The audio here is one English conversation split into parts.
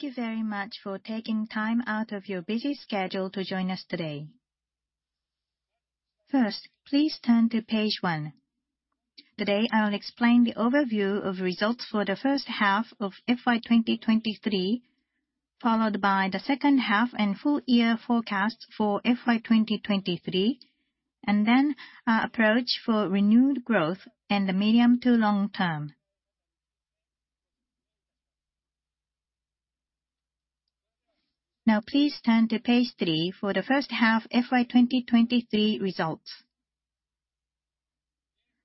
Thank you very much for taking time out of your busy schedule to join us today. First, please turn to page 1. Today, I'll explain the overview of results for the first half of FY 2023, followed by the second half and full-year forecast for FY 2023, and then our approach for renewed growth in the medium to long term. Now please turn to page 3 for the first half FY 2023 results.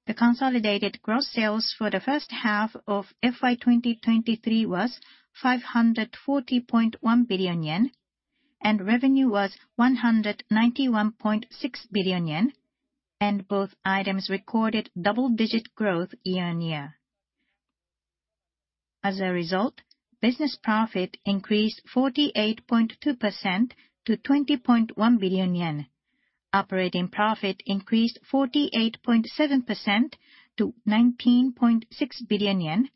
The consolidated gross sales for the first half of FY 2023 was 540.1 billion yen, and revenue was 191.6 billion yen, and both items recorded double-digit growth year-on-year. As a result, business profit increased 48.2% to 20.1 billion yen. Operating profit increased 48.7% to 19.6 billion yen,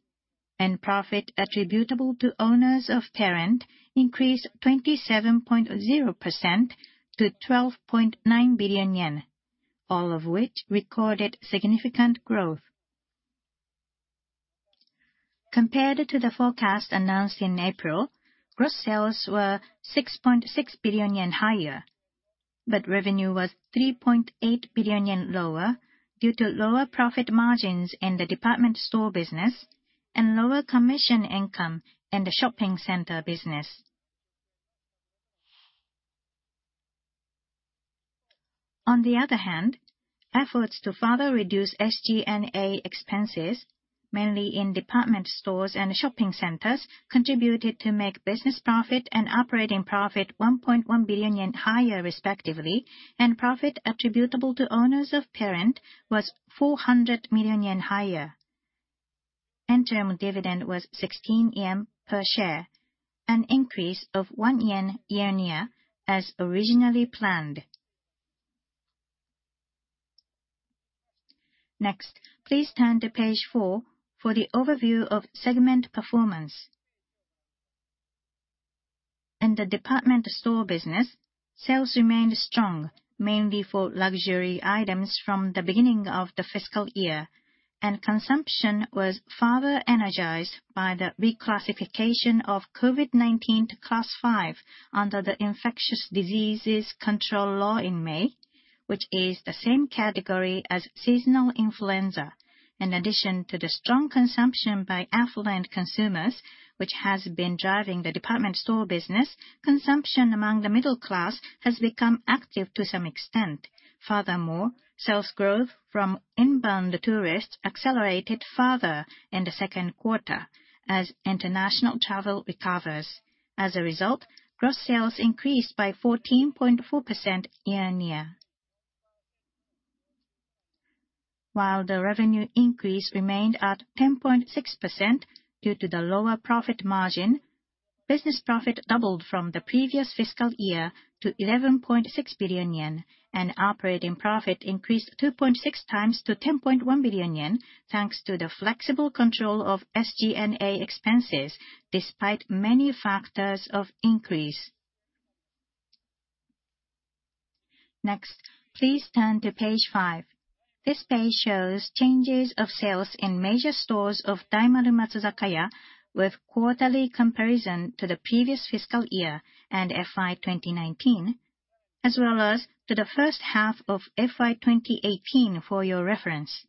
and profit attributable to owners of parent increased 27.0% to 12.9 billion yen, all of which recorded significant growth. Compared to the forecast announced in April, gross sales were 6.6 billion yen higher, but revenue was 3.8 billion yen lower due to lower profit margins in the department store business and lower commission income in the shopping center business. On the other hand, efforts to further reduce SG&A expenses, mainly in department stores and shopping centers, contributed to make business profit and operating profit 1.1 billion yen higher, respectively, and profit attributable to owners of parent was 400 million yen higher. Interim dividend was 16 yen per share, an increase of 1 yen year-on-year, as originally planned. Next, please turn to page 4 for the overview of segment performance. In the department store business, sales remained strong, mainly for luxury items from the beginning of the fiscal year, and consumption was further energized by the reclassification of COVID-19 to Class 5 under the Infectious Diseases Control Law in May, which is the same category as seasonal influenza. In addition to the strong consumption by affluent consumers, which has been driving the department store business, consumption among the middle class has become active to some extent. Furthermore, sales growth from inbound tourists accelerated further in the second quarter as international travel recovers. As a result, gross sales increased by 14.4% year-on-year. While the revenue increase remained at 10.6% due to the lower profit margin, business profit doubled from the previous fiscal year to 11.6 billion yen, and operating profit increased 2.6 times to 10.1 billion yen, thanks to the flexible control of SG&A expenses, despite many factors of increase. Next, please turn to page 5. This page shows changes of sales in major stores of Daimaru Matsuzakaya, with quarterly comparison to the previous fiscal year and FY 2019, as well as to the first half of FY 2018 for your reference.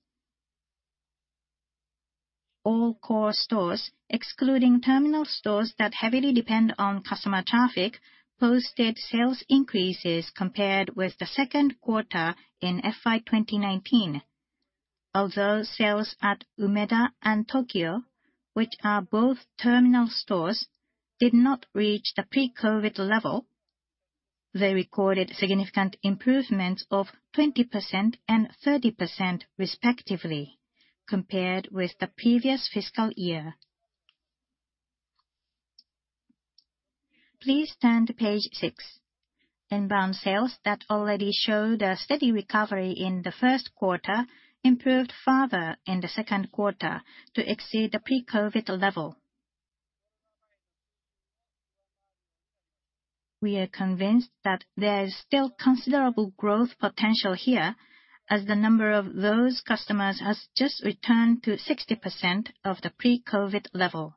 All core stores, excluding terminal stores that heavily depend on customer traffic, posted sales increases compared with the second quarter in FY 2019. Although sales at Umeda and Tokyo, which are both terminal stores, did not reach the pre-COVID level, they recorded significant improvements of 20% and 30% respectively, compared with the previous fiscal year. Please turn to page 6. Inbound sales that already showed a steady recovery in the first quarter improved further in the second quarter to exceed the pre-COVID level. We are convinced that there is still considerable growth potential here, as the number of those customers has just returned to 60% of the pre-COVID level.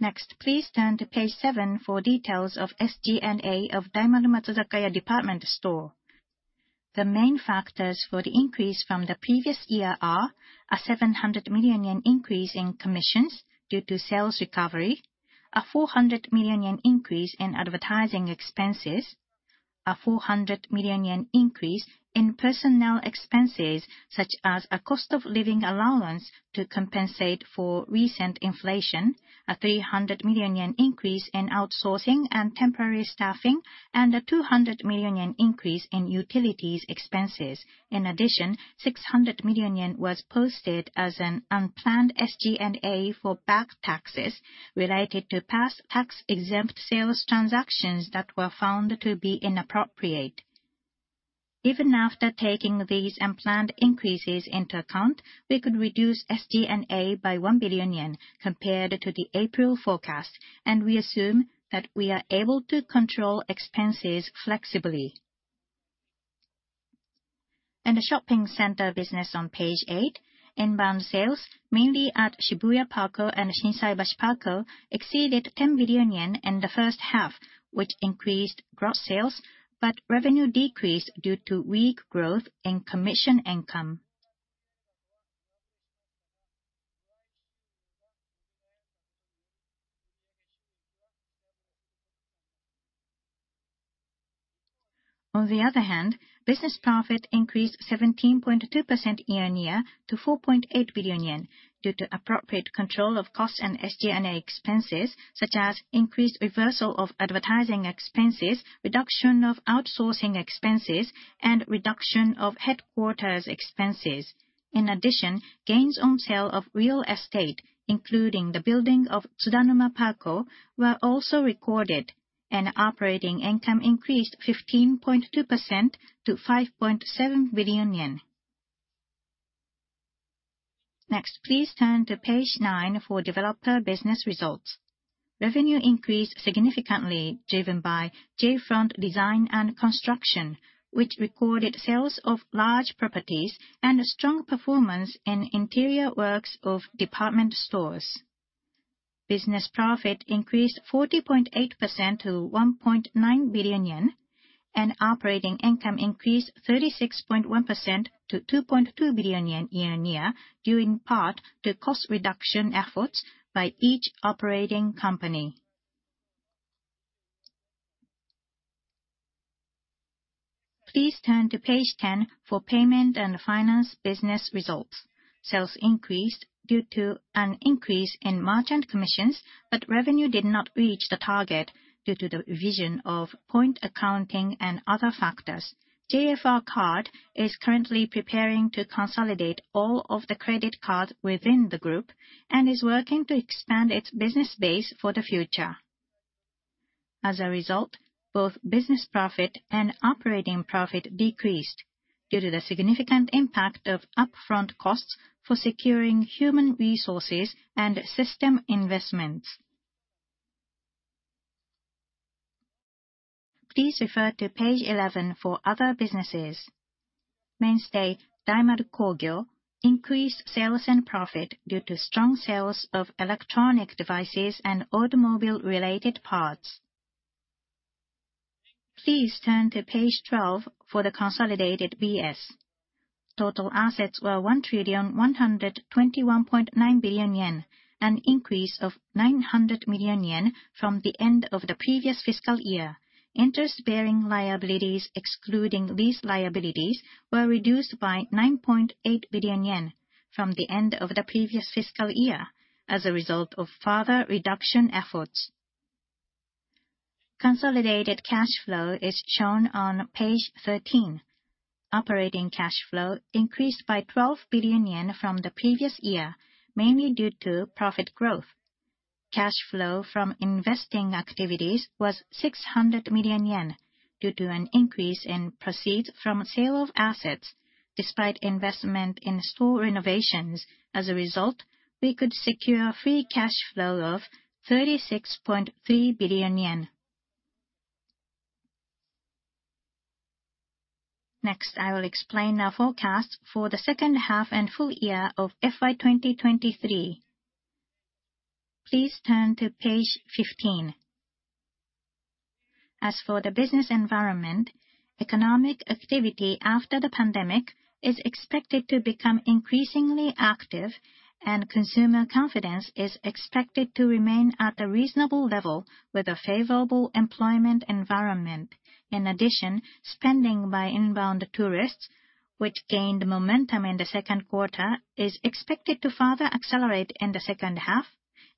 Next, please turn to page 7 for details of SG&A of Daimaru Matsuzakaya Department Stores. The main factors for the increase from the previous year are: a 700 million yen increase in commissions due to sales recovery, a 400 million yen increase in advertising expenses, a 400 million yen increase in personnel expenses, such as a cost of living allowance to compensate for recent inflation, a 300 million yen increase in outsourcing and temporary staffing, and a 200 million yen increase in utilities expenses. In addition, 600 million yen was posted as an unplanned SG&A for back taxes related to past tax-exempt sales transactions that were found to be inappropriate.... even after taking these and planned increases into account, we could reduce SG&A by 1 billion yen compared to the April forecast, and we assume that we are able to control expenses flexibly. The shopping center business on page 8, inbound sales, mainly at Shibuya PARCO and Shinsaibashi PARCO, exceeded 10 billion yen in the first half, which increased gross sales, but revenue decreased due to weak growth in commission income. On the other hand, business profit increased 17.2% year-on-year to 4.8 billion yen, due to appropriate control of cost and SG&A expenses, such as increased reversal of advertising expenses, reduction of outsourcing expenses, and reduction of headquarters expenses. In addition, gains on sale of real estate, including the building of Tsudanuma PARCO, were also recorded, and operating income increased 15.2% to JPY 5.7 billion. Next, please turn to page 9 for developer business results. Revenue increased significantly, driven by J. Front Design & Construction, which recorded sales of large properties and strong performance in interior works of department stores. Business profit increased 40.8% to 1.9 billion yen, and operating income increased 36.1% to 2.2 billion yen year-on-year, due in part to cost reduction efforts by each operating company. Please turn to page 10 for payment and finance business results. Sales increased due to an increase in merchant commissions, but revenue did not reach the target due to the revision of point accounting and other factors. JFR Card is currently preparing to consolidate all of the credit cards within the group and is working to expand its business base for the future. As a result, both business profit and operating profit decreased due to the significant impact of upfront costs for securing human resources and system investments. Please refer to page 11 for other businesses. Mainstay, Daimaru Kogyo, increased sales and profit due to strong sales of electronic devices and automobile-related parts. Please turn to page 12 for the consolidated BS. Total assets were 1,121.9 billion yen, an increase of 900 million yen from the end of the previous fiscal year. Interest-bearing liabilities, excluding these liabilities, were reduced by 9.8 billion yen from the end of the previous fiscal year as a result of further reduction efforts. Consolidated cash flow is shown on page 13. Operating cash flow increased by 12 billion yen from the previous year, mainly due to profit growth. Cash flow from investing activities was 600 million yen due to an increase in proceeds from sale of assets, despite investment in store renovations. As a result, we could secure free cash flow of 36.3 billion yen. Next, I will explain our forecast for the second half and full year of FY 2023. Please turn to page 15. As for the business environment, economic activity after the pandemic is expected to become increasingly active, and consumer confidence is expected to remain at a reasonable level with a favorable employment environment. In addition, spending by inbound tourists, which gained momentum in the second quarter, is expected to further accelerate in the second half,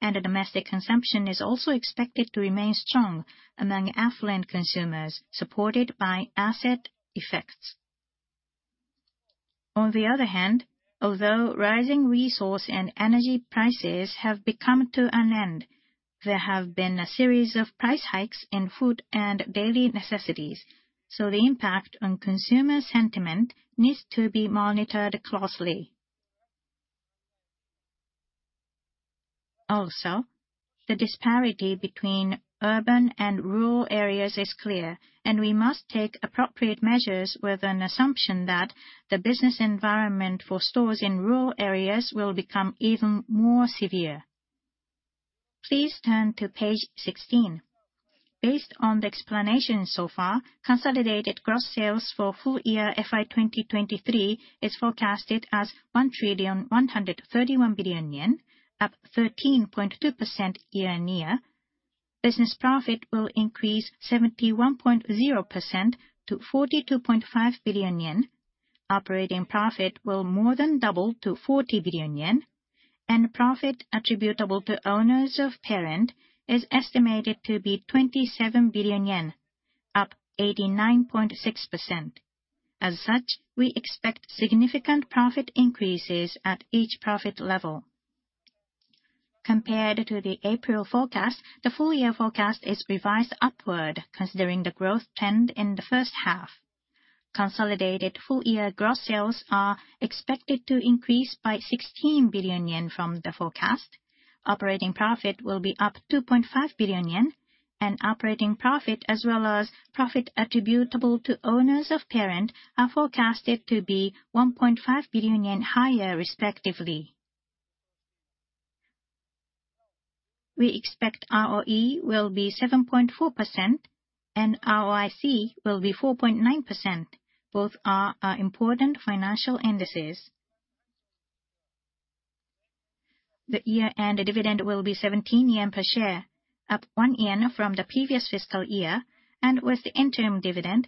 and the domestic consumption is also expected to remain strong among affluent consumers, supported by asset effects. On the other hand, although rising resource and energy prices have come to an end, there have been a series of price hikes in food and daily necessities, so the impact on consumer sentiment needs to be monitored closely. Also, the disparity between urban and rural areas is clear, and we must take appropriate measures with an assumption that the business environment for stores in rural areas will become even more severe. Please turn to page 16. Based on the explanation so far, consolidated gross sales for full year FY 2023 is forecasted as 1,131 billion yen, up 13.2% year-on-year. Business profit will increase 71.0% to 42.5 billion yen. Operating profit will more than double to 40 billion yen, and profit attributable to owners of parent is estimated to be 27 billion yen, up 89.6%. As such, we expect significant profit increases at each profit level. Compared to the April forecast, the full year forecast is revised upward considering the growth trend in the first half. Consolidated full year gross sales are expected to increase by 16 billion yen from the forecast. Operating profit will be up 2.5 billion yen, and operating profit as well as profit attributable to owners of parent are forecasted to be 1.5 billion yen higher, respectively. We expect ROE will be 7.4% and ROIC will be 4.9%. Both are important financial indices. The year-end dividend will be 17 yen per share, up 1 yen from the previous fiscal year, and with the interim dividend,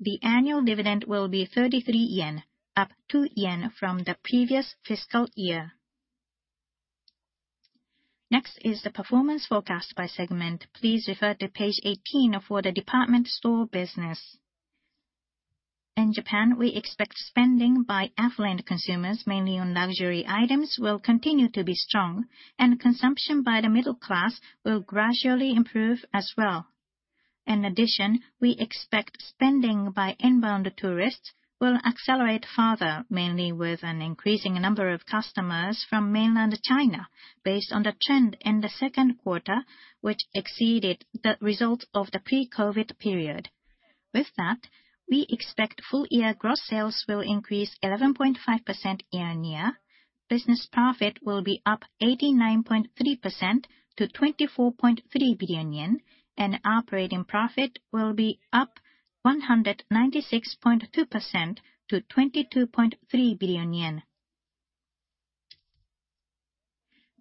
the annual dividend will be 33 yen, up 2 yen from the previous fiscal year. Next is the performance forecast by segment. Please refer to page 18 for the department store business. In Japan, we expect spending by affluent consumers, mainly on luxury items, will continue to be strong, and consumption by the middle class will gradually improve as well. In addition, we expect spending by inbound tourists will accelerate further, mainly with an increasing number of customers from mainland China, based on the trend in the second quarter, which exceeded the results of the pre-COVID period. With that, we expect full year gross sales will increase 11.5% year-on-year, business profit will be up 89.3% to 24.3 billion yen, and operating profit will be up 196.2% to JPY 22.3 billion.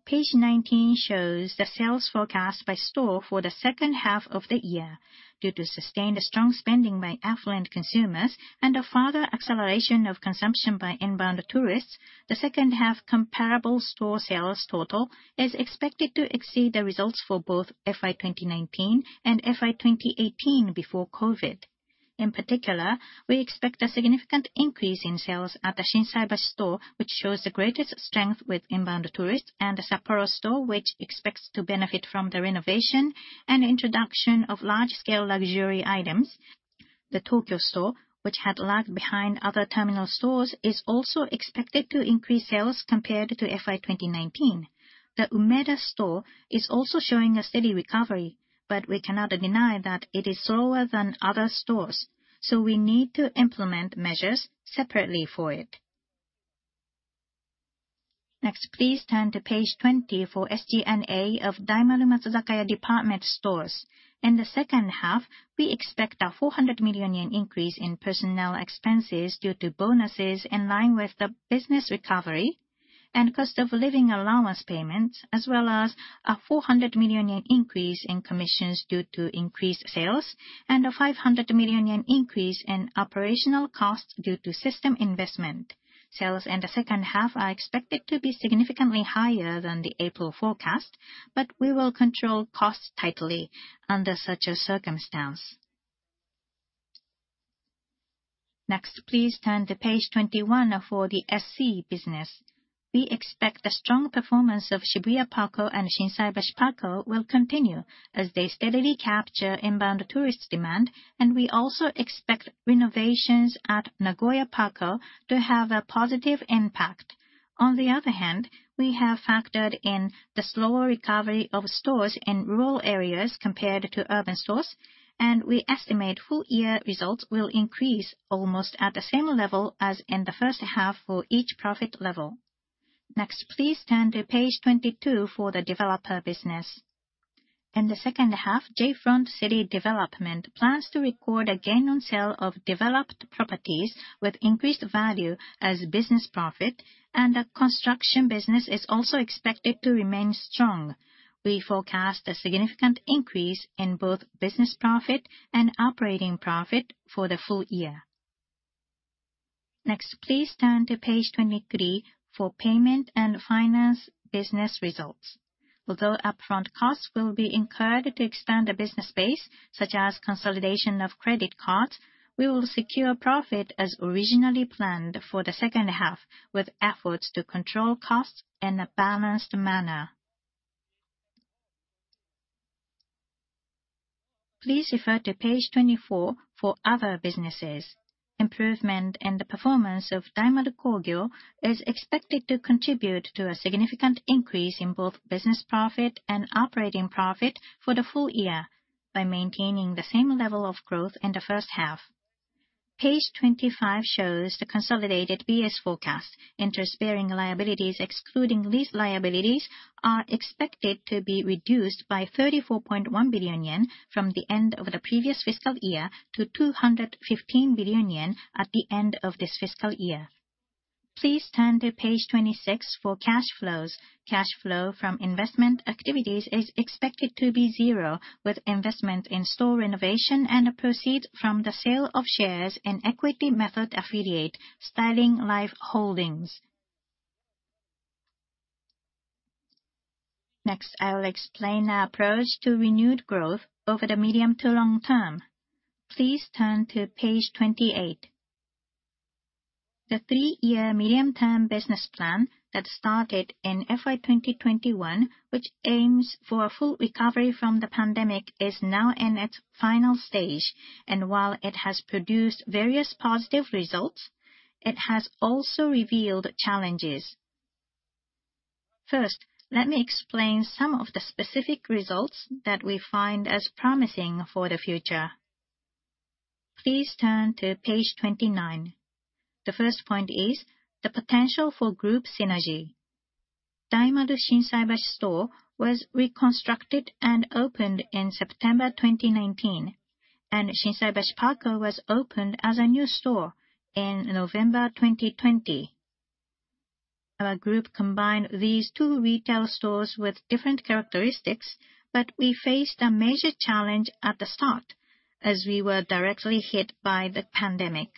Page 19 shows the sales forecast by store for the second half of the year. Due to sustained strong spending by affluent consumers and a further acceleration of consumption by inbound tourists, the second half comparable store sales total is expected to exceed the results for both FY 2019 and FY 2018 before COVID. In particular, we expect a significant increase in sales at the Shinsaibashi store, which shows the greatest strength with inbound tourists, and the Sapporo store, which expects to benefit from the renovation and introduction of large-scale luxury items. The Tokyo store, which had lagged behind other terminal stores, is also expected to increase sales compared to FY 2019. The Umeda store is also showing a steady recovery, but we cannot deny that it is slower than other stores, so we need to implement measures separately for it. Next, please turn to page 20 for SG&A of Daimaru Matsuzakaya Department Stores. In the second half, we expect a 400 million yen increase in personnel expenses due to bonuses in line with the business recovery and cost of living allowance payments, as well as a 400 million yen increase in commissions due to increased sales and a 500 million yen increase in operational costs due to system investment. Sales in the second half are expected to be significantly higher than the April forecast, but we will control costs tightly under such a circumstance. Next, please turn to page 21 for the SC business. We expect the strong performance of Shibuya PARCO and Shinsaibashi PARCO will continue as they steadily capture inbound tourist demand, and we also expect renovations at Nagoya PARCO to have a positive impact. On the other hand, we have factored in the slower recovery of stores in rural areas compared to urban stores, and we estimate full year results will increase almost at the same level as in the first half for each profit level. Next, please turn to page 22 for the developer business. In the second half, J. Front Retailing Development plans to record a gain on sale of developed properties with increased value as business profit, and the construction business is also expected to remain strong. We forecast a significant increase in both business profit and operating profit for the full year. Next, please turn to page 23 for payment and finance business results. Although upfront costs will be incurred to expand the business base, such as consolidation of credit cards, we will secure profit as originally planned for the second half, with efforts to control costs in a balanced manner. Please refer to page 24 for other businesses. Improvement in the performance of Daimaru Kogyo is expected to contribute to a significant increase in both business profit and operating profit for the full year by maintaining the same level of growth in the first half. Page 25 shows the consolidated BS forecast. Interest-bearing liabilities, excluding lease liabilities, are expected to be reduced by 34.1 billion yen from the end of the previous fiscal year to 215 billion yen at the end of this fiscal year. Please turn to page 26 for cash flows. Cash flow from investment activities is expected to be zero, with investment in store renovation and a proceed from the sale of shares in equity method affiliate, StylingLife Holdings. Next, I will explain our approach to renewed growth over the medium to long term. Please turn to page 28. The three-year medium-term business plan that started in FY 2021, which aims for a full recovery from the pandemic, is now in its final stage. While it has produced various positive results, it has also revealed challenges. First, let me explain some of the specific results that we find as promising for the future. Please turn to page 29. The first point is the potential for group synergy. Daimaru Shinsaibashi store was reconstructed and opened in September 2019, and Shinsaibashi PARCO was opened as a new store in November 2020. Our group combined these two retail stores with different characteristics, but we faced a major challenge at the start, as we were directly hit by the pandemic.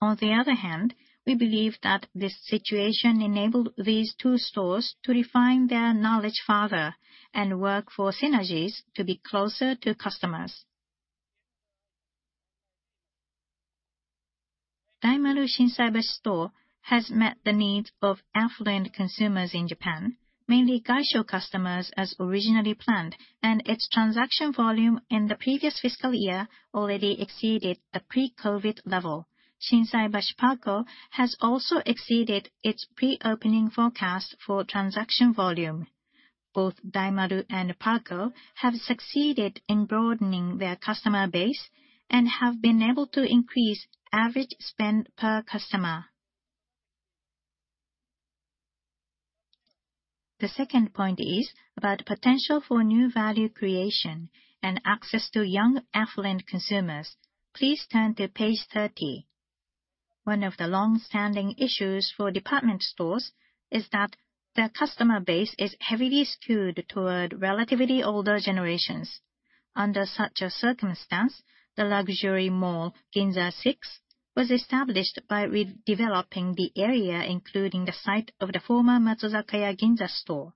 On the other hand, we believe that this situation enabled these two stores to refine their knowledge further and work for synergies to be closer to customers. Daimaru Shinsaibashi store has met the needs of affluent consumers in Japan, mainly Gaisho customers, as originally planned, and its transaction volume in the previous fiscal year already exceeded the pre-COVID level. Shinsaibashi PARCO has also exceeded its pre-opening forecast for transaction volume. Both Daimaru and PARCO have succeeded in broadening their customer base and have been able to increase average spend per customer. The second point is about potential for new value creation and access to young, affluent consumers. Please turn to page 30. One of the long-standing issues for department stores is that their customer base is heavily skewed toward relatively older generations. Under such a circumstance, the luxury mall, GINZA SIX, was established by redeveloping the area, including the site of the former Matsuzakaya Ginza store.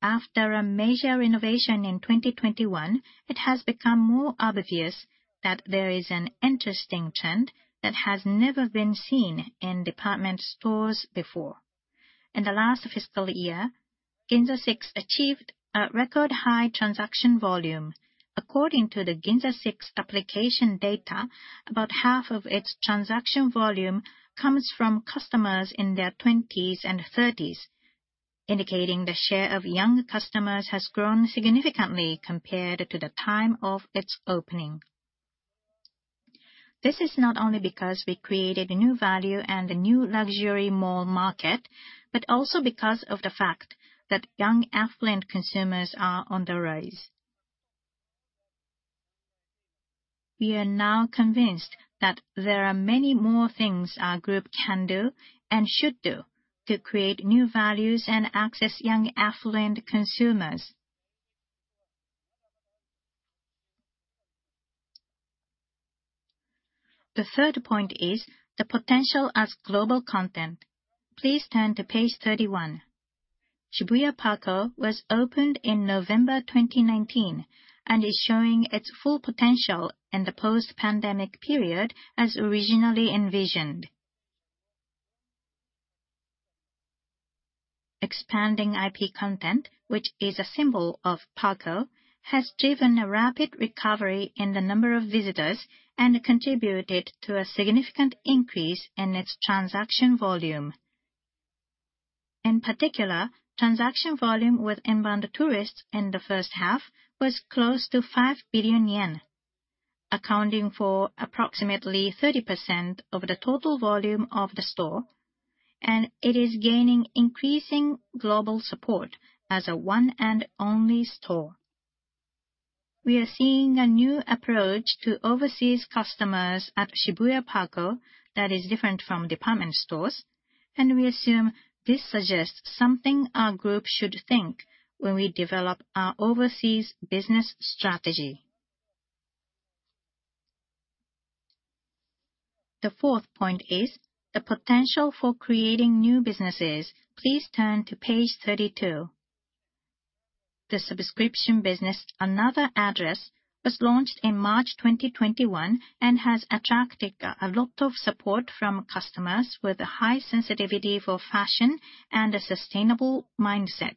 After a major renovation in 2021, it has become more obvious that there is an interesting trend that has never been seen in department stores before. In the last fiscal year, GINZA SIX achieved a record-high transaction volume. According to the GINZA SIX application data, about half of its transaction volume comes from customers in their twenties and thirties, indicating the share of younger customers has grown significantly compared to the time of its opening. This is not only because we created a new value and a new luxury mall market, but also because of the fact that young, affluent consumers are on the rise. We are now convinced that there are many more things our group can do and should do to create new values and access young, affluent consumers. The third point is the potential as global content. Please turn to page 31. Shibuya PARCO was opened in November 2019 and is showing its full potential in the post-pandemic period, as originally envisioned. Expanding IP content, which is a symbol of PARCO, has driven a rapid recovery in the number of visitors and contributed to a significant increase in its transaction volume. In particular, transaction volume with inbound tourists in the first half was close to 5 billion yen, accounting for approximately 30% of the total volume of the store, and it is gaining increasing global support as a one-and-only store. We are seeing a new approach to overseas customers at Shibuya PARCO that is different from department stores, and we assume this suggests something our group should think when we develop our overseas business strategy. The fourth point is the potential for creating new businesses. Please turn to page 32. The subscription business, AnotherADdress, was launched in March 2021 and has attracted a lot of support from customers with a high sensitivity for fashion and a sustainable mindset.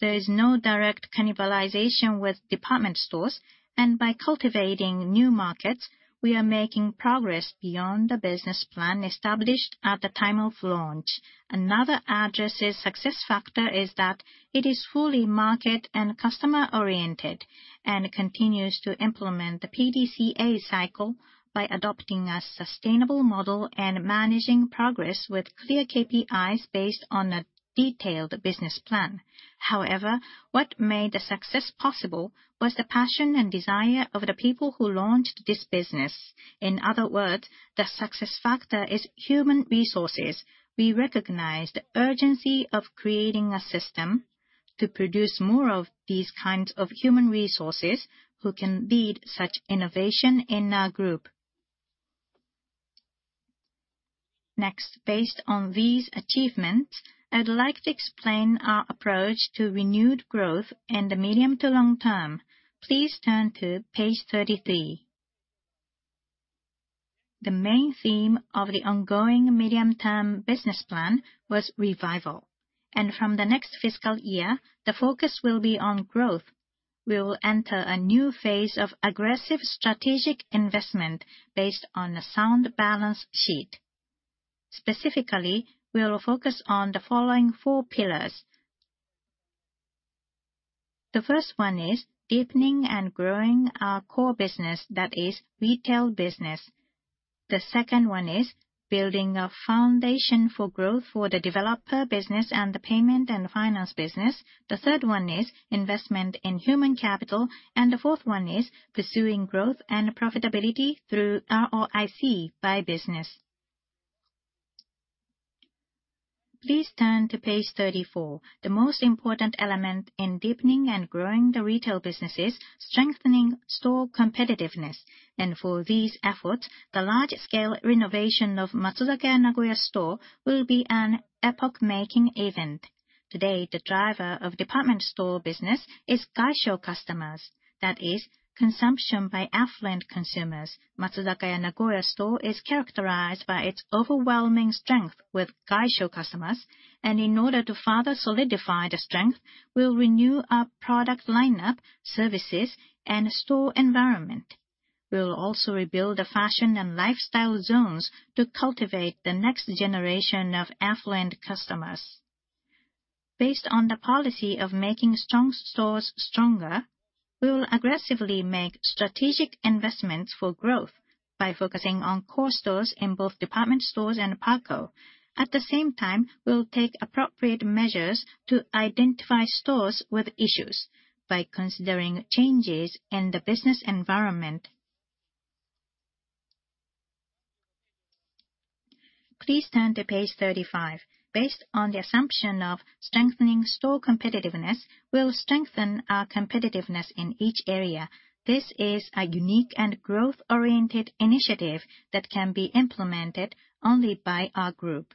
There is no direct cannibalization with department stores, and by cultivating new markets, we are making progress beyond the business plan established at the time of launch. AnotherADdress's success factor is that it is fully market and customer-oriented and continues to implement the PDCA cycle by adopting a sustainable model and managing progress with clear KPIs based on a detailed business plan. However, what made the success possible was the passion and desire of the people who launched this business. In other words, the success factor is human resources. We recognize the urgency of creating a system to produce more of these kinds of human resources who can lead such innovation in our group. Next, based on these achievements, I would like to explain our approach to renewed growth in the medium to long term. Please turn to page 33. The main theme of the ongoing medium-term business plan was revival, and from the next fiscal year, the focus will be on growth. We will enter a new phase of aggressive strategic investment based on a sound balance sheet. Specifically, we will focus on the following four pillars. The first one is deepening and growing our core business, that is, retail business. The second one is building a foundation for growth for the developer business and the payment and finance business. The third one is investment in human capital, and the fourth one is pursuing growth and profitability through ROIC by business. Please turn to page 34. The most important element in deepening and growing the retail business is strengthening store competitiveness. For these efforts, the large-scale renovation of Matsuzakaya Nagoya store will be an epoch-making event. Today, the driver of department store business is gaisho customers. That is, consumption by affluent consumers. Matsuzakaya Nagoya store is characterized by its overwhelming strength with gaisho customers, and in order to further solidify the strength, we'll renew our product lineup, services, and store environment. We'll also rebuild the fashion and lifestyle zones to cultivate the next generation of affluent customers. Based on the policy of making strong stores stronger, we will aggressively make strategic investments for growth by focusing on core stores in both department stores and PARCO. At the same time, we'll take appropriate measures to identify stores with issues by considering changes in the business environment. Please turn to page 35. Based on the assumption of strengthening store competitiveness, we'll strengthen our competitiveness in each area. This is a unique and growth-oriented initiative that can be implemented only by our group.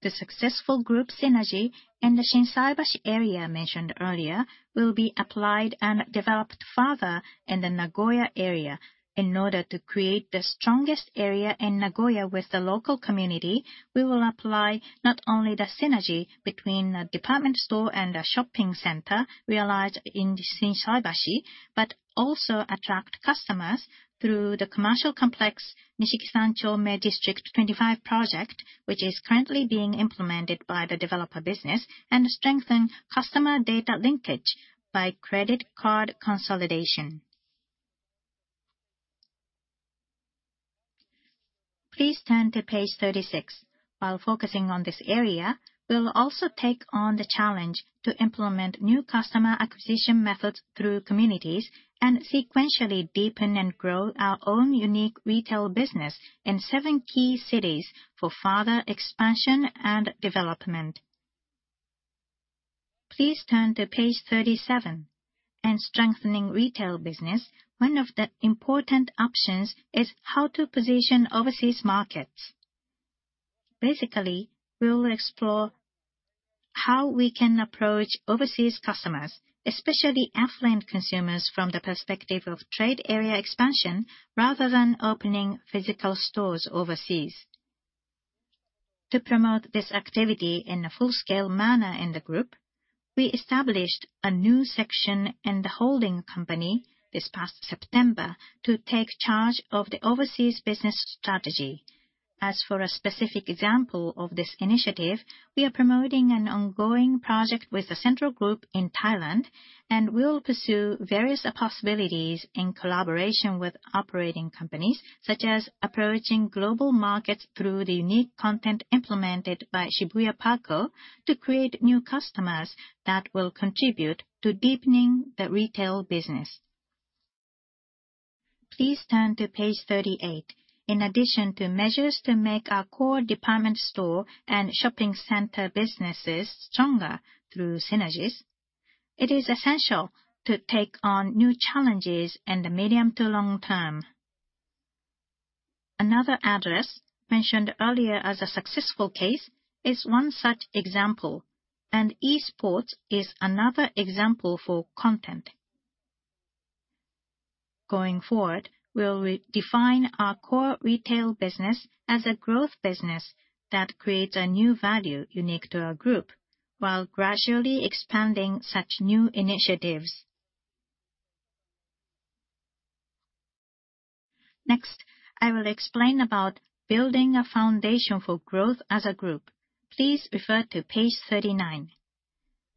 The successful group synergy in the Shinsaibashi area mentioned earlier will be applied and developed further in the Nagoya area. In order to create the strongest area in Nagoya with the local community, we will apply not only the synergy between a department store and a shopping center realized in Shinsaibashi, but also attract customers through the commercial complex Nishiki Sanchome District 25 project, which is currently being implemented by the developer business, and strengthen customer data linkage by credit card consolidation. Please turn to page 36. While focusing on this area, we'll also take on the challenge to implement new customer acquisition methods through communities, and sequentially deepen and grow our own unique retail business in seven key cities for further expansion and development. Please turn to page 37. In strengthening retail business, one of the important options is how to position overseas markets. Basically, we will explore how we can approach overseas customers, especially affluent consumers, from the perspective of trade area expansion, rather than opening physical stores overseas. To promote this activity in a full-scale manner in the group, we established a new section in the holding company this past September to take charge of the overseas business strategy. As for a specific example of this initiative, we are promoting an ongoing project with the Central Group in Thailand, and we will pursue various possibilities in collaboration with operating companies, such as approaching global markets through the unique content implemented by Shibuya PARCO to create new customers that will contribute to deepening the retail business. Please turn to page 38. In addition to measures to make our core department store and shopping center businesses stronger through synergies, it is essential to take on new challenges in the medium to long term. AnotherADdress mentioned earlier as a successful case is one such example, and esports is another example for content. Going forward, we will define our core retail business as a growth business that creates a new value unique to our group, while gradually expanding such new initiatives. Next, I will explain about building a foundation for growth as a group. Please refer to page 39.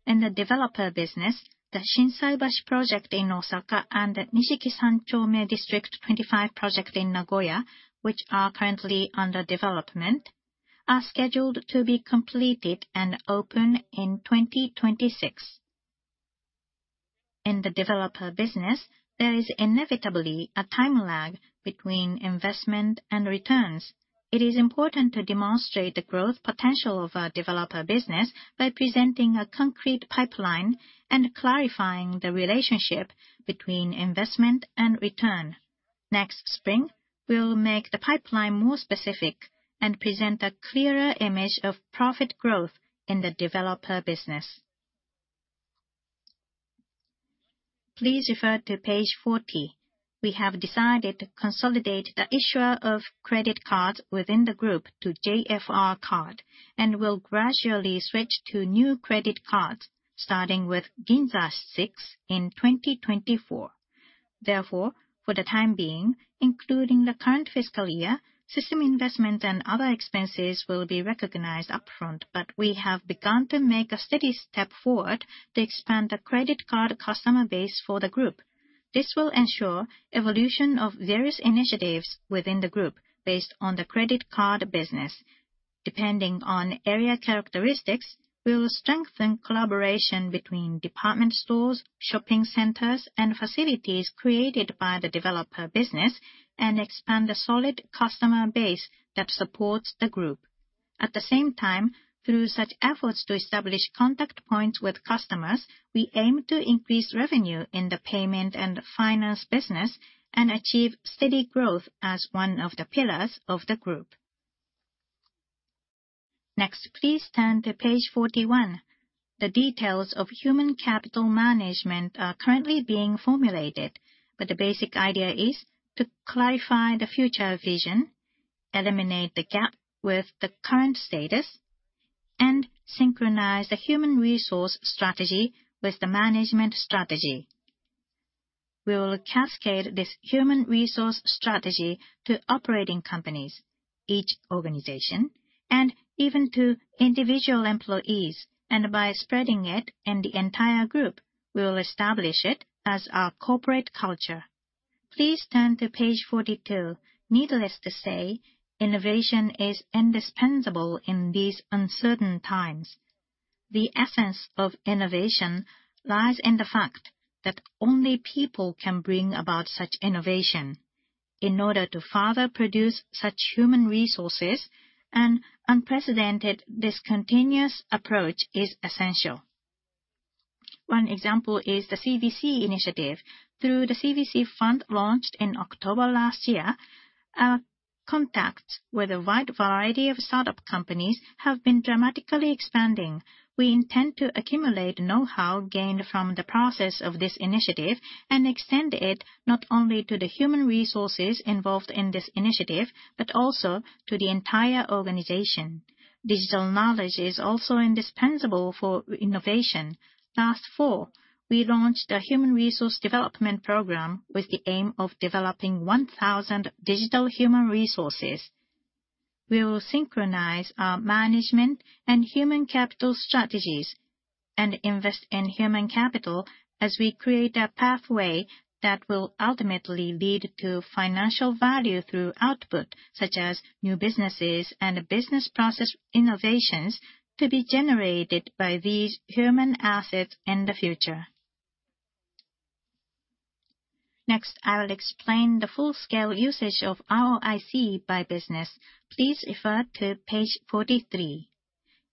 In the developer business, the Shinsaibashi project in Osaka and the Nishiki Sanchome District 25 project in Nagoya, which are currently under development, are scheduled to be completed and open in 2026. In the developer business, there is inevitably a time lag between investment and returns. It is important to demonstrate the growth potential of our developer business by presenting a concrete pipeline and clarifying the relationship between investment and return. Next spring, we'll make the pipeline more specific and present a clearer image of profit growth in the developer business. Please refer to page 40. We have decided to consolidate the issuer of credit cards within the group to JFR Card, and will gradually switch to new credit cards, starting with GINZA SIX in 2024. Therefore, for the time being, including the current fiscal year, system investment and other expenses will be recognized upfront, but we have begun to make a steady step forward to expand the credit card customer base for the group. This will ensure evolution of various initiatives within the group based on the credit card business. Depending on area characteristics, we will strengthen collaboration between department stores, shopping centers, and facilities created by the developer business, and expand the solid customer base that supports the group. At the same time, through such efforts to establish contact points with customers, we aim to increase revenue in the payment and finance business and achieve steady growth as one of the pillars of the group. Next, please turn to page 41. The details of human capital management are currently being formulated, but the basic idea is to clarify the future vision, eliminate the gap with the current status, and synchronize the human resource strategy with the management strategy. We will cascade this human resource strategy to operating companies, each organization, and even to individual employees, and by spreading it in the entire group, we will establish it as our corporate culture. Please turn to page 42. Needless to say, innovation is indispensable in these uncertain times. The essence of innovation lies in the fact that only people can bring about such innovation. In order to further produce such human resources, an unprecedented, discontinuous approach is essential. One example is the CVC initiative. Through the CVC fund launched in October last year, our contacts with a wide variety of startup companies have been dramatically expanding. We intend to accumulate know-how gained from the process of this initiative and extend it not only to the human resources involved in this initiative, but also to the entire organization. Digital knowledge is also indispensable for innovation. Last fall, we launched a human resource development program with the aim of developing 1,000 digital human resources. We will synchronize our management and human capital strategies and invest in human capital as we create a pathway that will ultimately lead to financial value through output, such as new businesses and business process innovations to be generated by these human assets in the future. Next, I will explain the full-scale usage of ROIC by business. Please refer to page 43.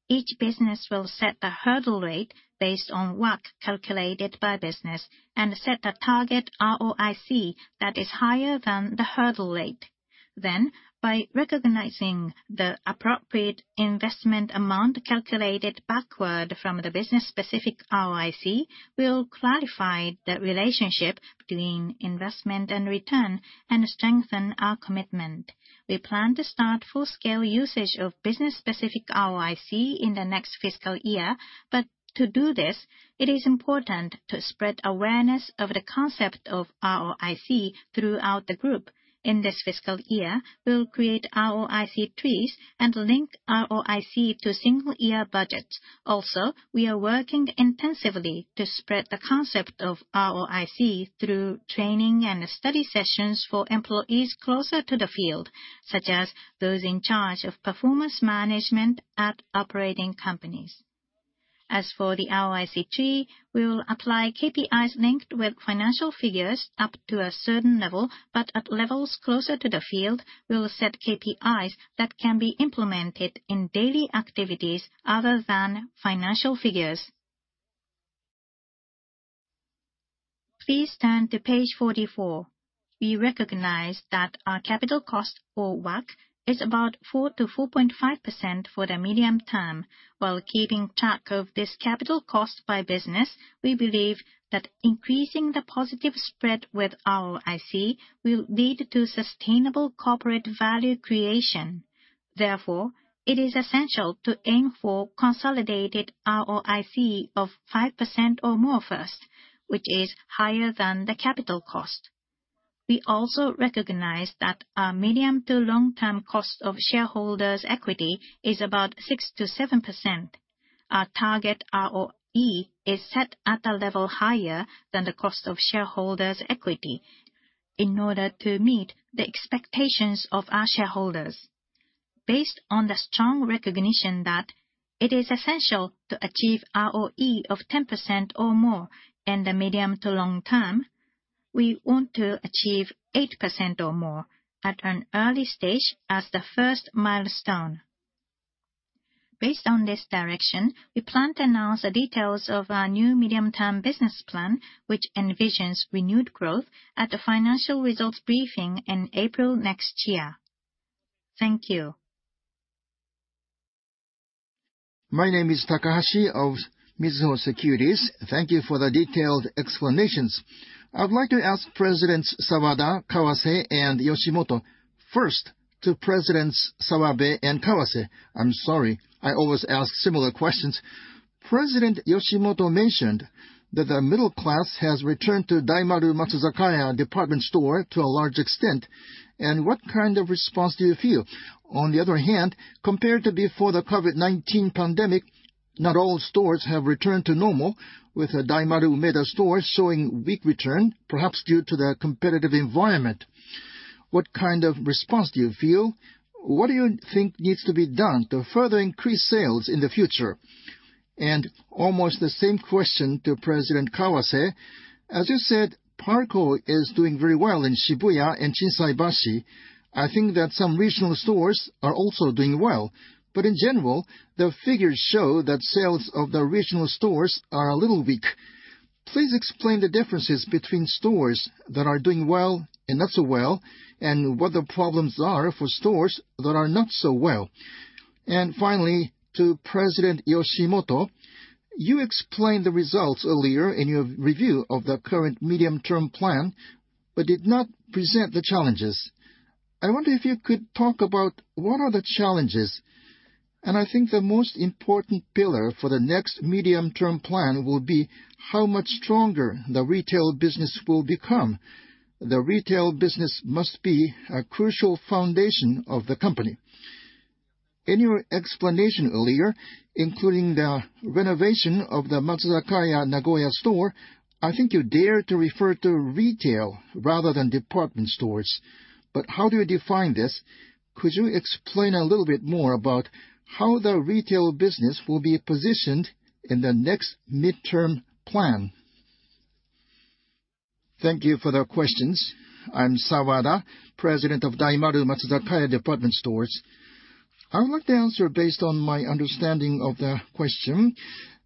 Each business will set the hurdle rate based on WACC calculated by business and set a target ROIC that is higher than the hurdle rate. Then, by recognizing the appropriate investment amount calculated backward from the business-specific ROIC, we will clarify the relationship between investment and return and strengthen our commitment. We plan to start full-scale usage of business-specific ROIC in the next fiscal year, but to do this, it is important to spread awareness of the concept of ROIC throughout the group. In this fiscal year, we'll create ROIC trees and link ROIC to single-year budgets. Also, we are working intensively to spread the concept of ROIC through training and study sessions for employees closer to the field, such as those in charge of performance management at operating companies. As for the ROIC tree, we will apply KPIs linked with financial figures up to a certain level, but at levels closer to the field, we will set KPIs that can be implemented in daily activities other than financial figures. Please turn to page 44. We recognize that our capital cost for WACC is about 4-4.5% for the medium term. While keeping track of this capital cost by business, we believe that increasing the positive spread with ROIC will lead to sustainable corporate value creation. Therefore, it is essential to aim for consolidated ROIC of 5% or more first, which is higher than the capital cost. We also recognize that our medium to long-term cost of shareholders' equity is about 6%-7%. Our target ROE is set at a level higher than the cost of shareholders' equity in order to meet the expectations of our shareholders. Based on the strong recognition that it is essential to achieve ROE of 10% or more in the medium to long term, we want to achieve 8% or more at an early stage as the first milestone. Based on this direction, we plan to announce the details of our new medium-term business plan, which envisions renewed growth at the financial results briefing in April next year. Thank you. My name is Takahashi of Mizuho Securities. Thank you for the detailed explanations. I'd like to ask Presidents Sawada, Kawase, and Yoshimoto. First, to Presidents Sawada and Kawase, I'm sorry, I always ask similar questions. President Yoshimoto mentioned that the middle class has returned to Daimaru Matsuzakaya Department Store to a large extent, and what kind of response do you feel? On the other hand, compared to before the COVID-19 pandemic, not all stores have returned to normal, with the Daimaru Umeda store showing weak return, perhaps due to the competitive environment. What kind of response do you feel? What do you think needs to be done to further increase sales in the future? And almost the same question to President Kawase. As you said, PARCO is doing very well in Shibuya and Shinsaibashi. I think that some regional stores are also doing well, but in general, the figures show that sales of the regional stores are a little weak. Please explain the differences between stores that are doing well and not so well, and what the problems are for stores that are not so well. Finally, to President Yoshimoto, you explained the results earlier in your review of the current medium-term plan, but did not present the challenges. I wonder if you could talk about what are the challenges? I think the most important pillar for the next medium-term plan will be how much stronger the retail business will become. The retail business must be a crucial foundation of the company. In your explanation earlier, including the renovation of the Matsuzakaya Nagoya store, I think you dared to refer to retail rather than department stores, but how do you define this? Could you explain a little bit more about how the retail business will be positioned in the next midterm plan? Thank you for the questions. I'm Sawada, President of Daimaru Matsuzakaya Department Stores. I would like to answer based on my understanding of the question.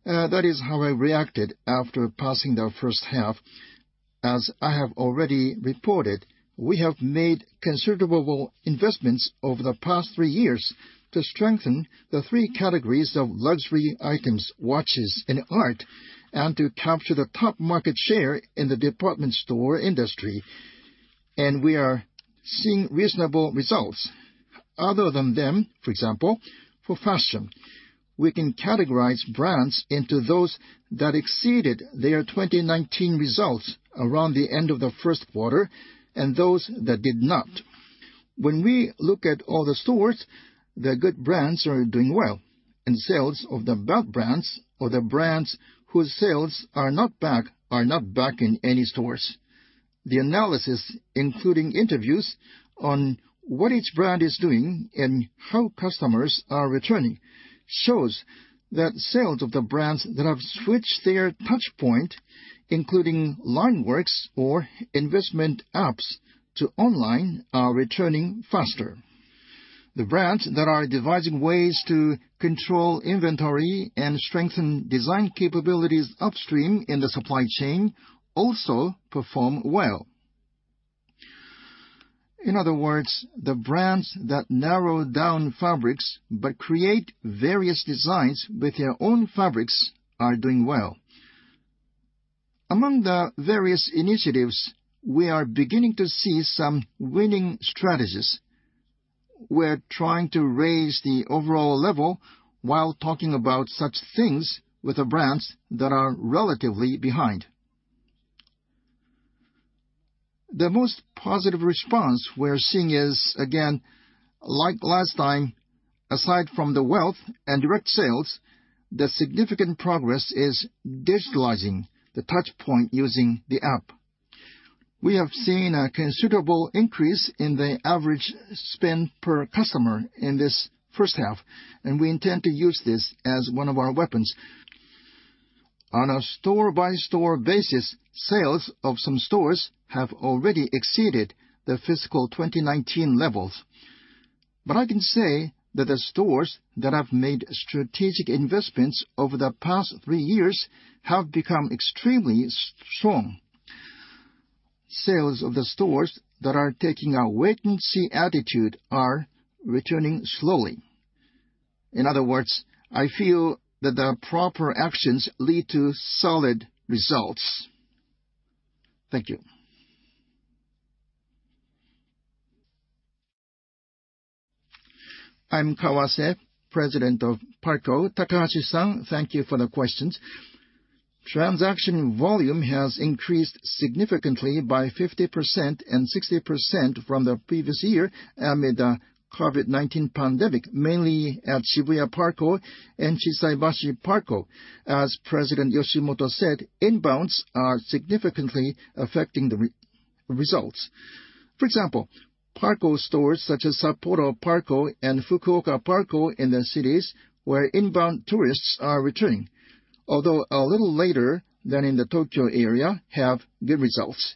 That is how I reacted after passing the first half. As I have already reported, we have made considerable investments over the past three years to strengthen the three categories of luxury items, watches and art, and to capture the top market share in the department store industry, and we are seeing reasonable results. Other than them, for example, for fashion, we can categorize brands into those that exceeded their 2019 results around the end of the first quarter and those that did not. When we look at all the stores, the good brands are doing well, and sales of the bad brands or the brands whose sales are not back, are not back in any stores. The analysis, including interviews on what each brand is doing and how customers are returning, shows that sales of the brands that have switched their touch point, including LINE WORKS or investment apps to online, are returning faster. The brands that are devising ways to control inventory and strengthen design capabilities upstream in the supply chain also perform well. In other words, the brands that narrow down fabrics but create various designs with their own fabrics are doing well. Among the various initiatives, we are beginning to see some winning strategies. We're trying to raise the overall level while talking about such things with the brands that are relatively behind. The most positive response we're seeing is, again, like last time, aside from the wealth and direct sales, the significant progress is digitalizing the touch point using the app. We have seen a considerable increase in the average spend per customer in this first half, and we intend to use this as one of our weapons. On a store-by-store basis, sales of some stores have already exceeded the fiscal 2019 levels. But I can say that the stores that have made strategic investments over the past three years have become extremely strong. Sales of the stores that are taking a wait-and-see attitude are returning slowly. In other words, I feel that the proper actions lead to solid results. Thank you. I'm Kawase, President of PARCO. Takahashi-san, thank you for the questions. Transaction volume has increased significantly by 50% and 60% from the previous year amid the COVID-19 pandemic, mainly at Shibuya PARCO and Shinsaibashi PARCO. As President Yoshimoto said, inbounds are significantly affecting the results. For example, PARCO stores such as Sapporo PARCO and Fukuoka PARCO in the cities where inbound tourists are returning, although a little later than in the Tokyo area, have good results.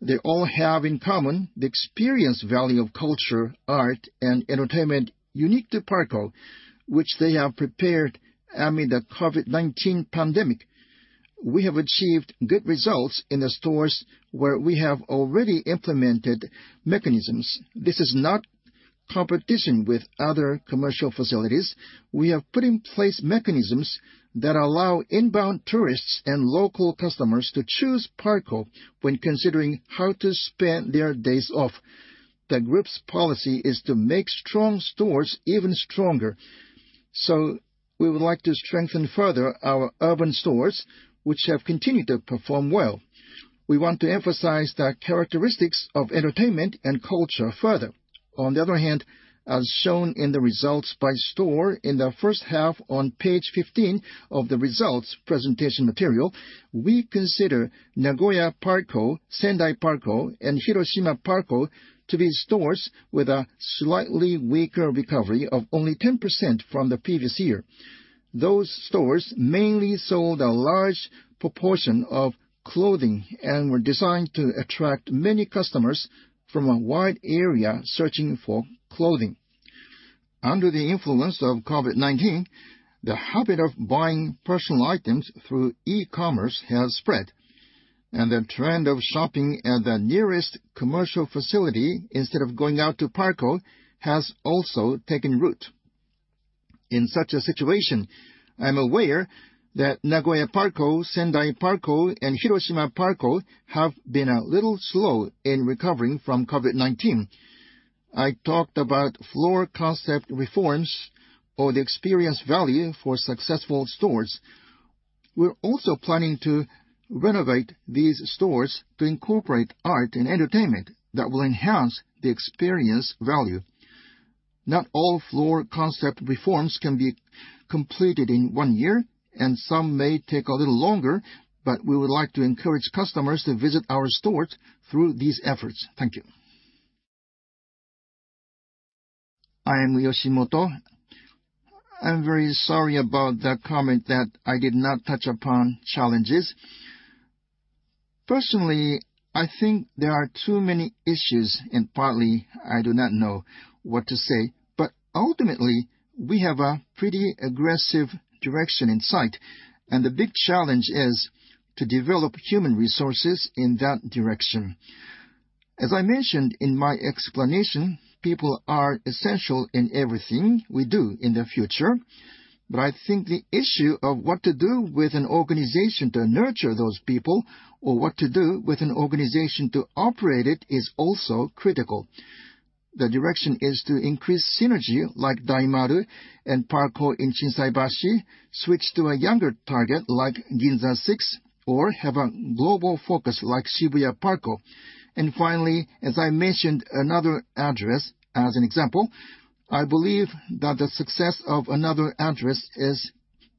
They all have in common the experience value of culture, art, and entertainment unique to PARCO, which they have prepared amid the COVID-19 pandemic. We have achieved good results in the stores where we have already implemented mechanisms. This is not competition with other commercial facilities. We have put in place mechanisms that allow inbound tourists and local customers to choose PARCO when considering how to spend their days off. The group's policy is to make strong stores even stronger, so we would like to strengthen further our urban stores, which have continued to perform well. We want to emphasize the characteristics of entertainment and culture further. On the other hand, as shown in the results by store in the first half on page 15 of the results presentation material, we consider Nagoya PARCO, Sendai PARCO, and Hiroshima PARCO to be stores with a slightly weaker recovery of only 10% from the previous year. Those stores mainly sold a large proportion of clothing and were designed to attract many customers from a wide area searching for clothing. Under the influence of COVID-19, the habit of buying personal items through e-commerce has spread, and the trend of shopping at the nearest commercial facility instead of going out to PARCO has also taken root. In such a situation, I'm aware that Nagoya PARCO, Sendai PARCO, and Hiroshima PARCO have been a little slow in recovering from COVID-19. I talked about floor concept reforms or the experience value for successful stores. We're also planning to renovate these stores to incorporate art and entertainment that will enhance the experience value. Not all floor concept reforms can be completed in one year, and some may take a little longer, but we would like to encourage customers to visit our stores through these efforts. Thank you. I am Yoshimoto. I'm very sorry about the comment that I did not touch upon challenges. Personally, I think there are too many issues, and partly I do not know what to say. But ultimately, we have a pretty aggressive direction in sight, and the big challenge is to develop human resources in that direction. As I mentioned in my explanation, people are essential in everything we do in the future, but I think the issue of what to do with an organization to nurture those people or what to do with an organization to operate it is also critical. The direction is to increase synergy, like Daimaru and PARCO in Shinsaibashi, switch to a younger target like GINZA SIX, or have a global focus like Shibuya PARCO. Finally, as I mentioned, AnotherADdress as an example, I believe that the success of AnotherADdress is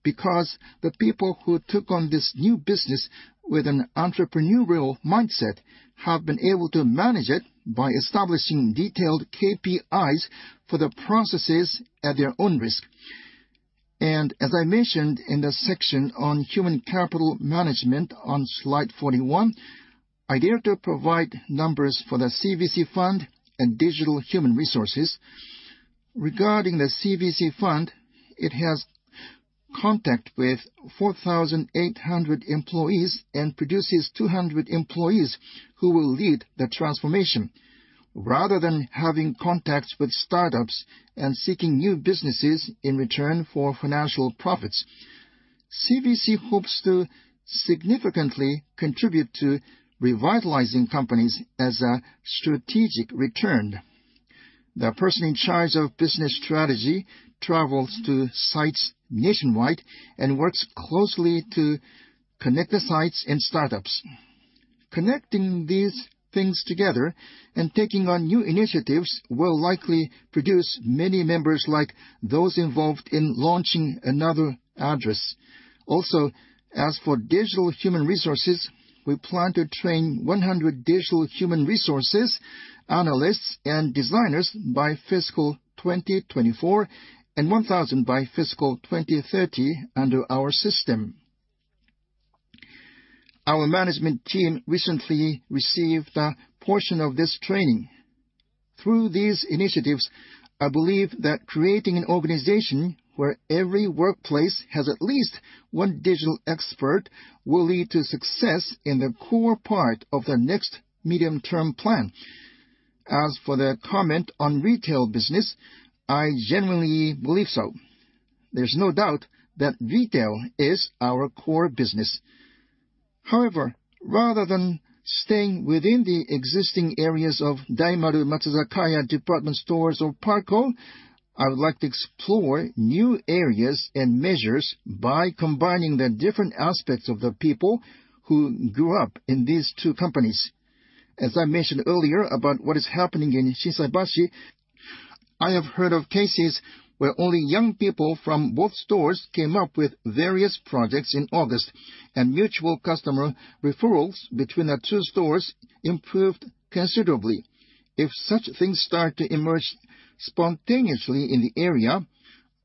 because the people who took on this new business with an entrepreneurial mindset have been able to manage it by establishing detailed KPIs for the processes at their own risk. As I mentioned in the section on human capital management on slide 41, I dare to provide numbers for the CVC fund and digital human resources. Regarding the CVC fund, it has contact with 4,800 employees and produces 200 employees who will lead the transformation. Rather than having contacts with startups and seeking new businesses in return for financial profits, CVC hopes to significantly contribute to revitalizing companies as a strategic return. The person in charge of business strategy travels to sites nationwide and works closely to connect the sites and startups. Connecting these things together and taking on new initiatives will likely produce many members like those involved in launching AnotherADdress. Also, as for digital human resources, we plan to train 100 digital human resources analysts and designers by fiscal 2024, and 1,000 by fiscal 2030 under our system. Our management team recently received a portion of this training. Through these initiatives, I believe that creating an organization where every workplace has at least one digital expert will lead to success in the core part of the next medium-term plan. As for the comment on retail business, I genuinely believe so. There's no doubt that retail is our core business. However, rather than staying within the existing areas of Daimaru Matsuzakaya Department Stores or PARCO, I would like to explore new areas and measures by combining the different aspects of the people who grew up in these two companies. As I mentioned earlier about what is happening in Shinsaibashi, I have heard of cases where only young people from both stores came up with various projects in August, and mutual customer referrals between the two stores improved considerably. If such things start to emerge spontaneously in the area,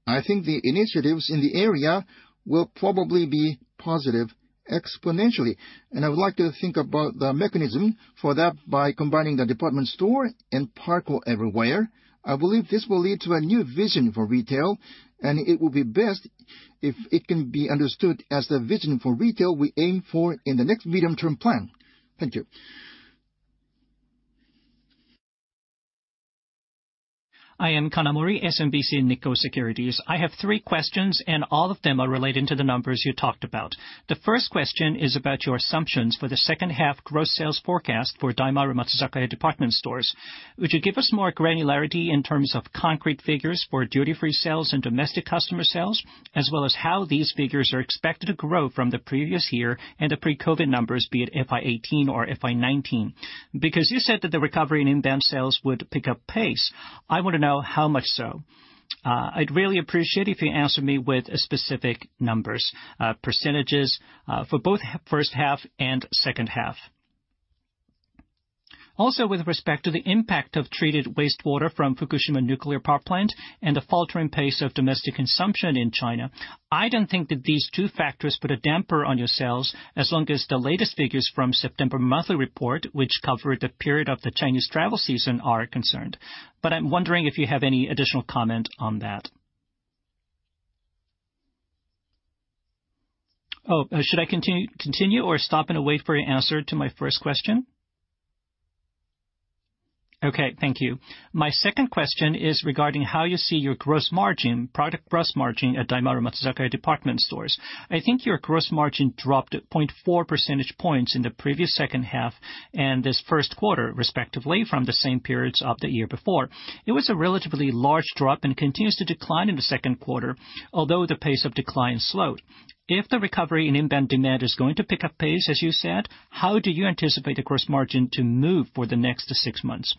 I think the initiatives in the area will probably be positive exponentially, and I would like to think about the mechanism for that by combining the department store and PARCO everywhere. I believe this will lead to a new vision for retail, and it will be best if it can be understood as the vision for retail we aim for in the next medium-term plan. Thank you. I am Kanamori, SMBC Nikko Securities. I have three questions, and all of them are relating to the numbers you talked about. The first question is about your assumptions for the second half gross sales forecast for Daimaru Matsuzakaya Department Stores. Would you give us more granularity in terms of concrete figures for duty-free sales and domestic customer sales, as well as how these figures are expected to grow from the previous year and the pre-COVID numbers, be it FY 2018 or FY 2019? Because you said that the recovery in inbound sales would pick up pace, I want to know how much so. I'd really appreciate if you answer me with specific numbers, percentages, for both first half and second half. Also, with respect to the impact of treated wastewater from Fukushima nuclear power plant and the faltering pace of domestic consumption in China, I don't think that these two factors put a damper on your sales, as long as the latest figures from September monthly report, which covered the period of the Chinese travel season, are concerned. But I'm wondering if you have any additional comment on that. Oh, should I continue, continue or stop and wait for your answer to my first question? Okay, thank you. My second question is regarding how you see your gross margin, product gross margin at Daimaru Matsuzakaya Department Stores. I think your gross margin dropped 0.4 percentage points in the previous second half and this first quarter, respectively, from the same periods of the year before. It was a relatively large drop and continues to decline in the second quarter, although the pace of decline slowed. If the recovery in inbound demand is going to pick up pace, as you said, how do you anticipate the gross margin to move for the next six months?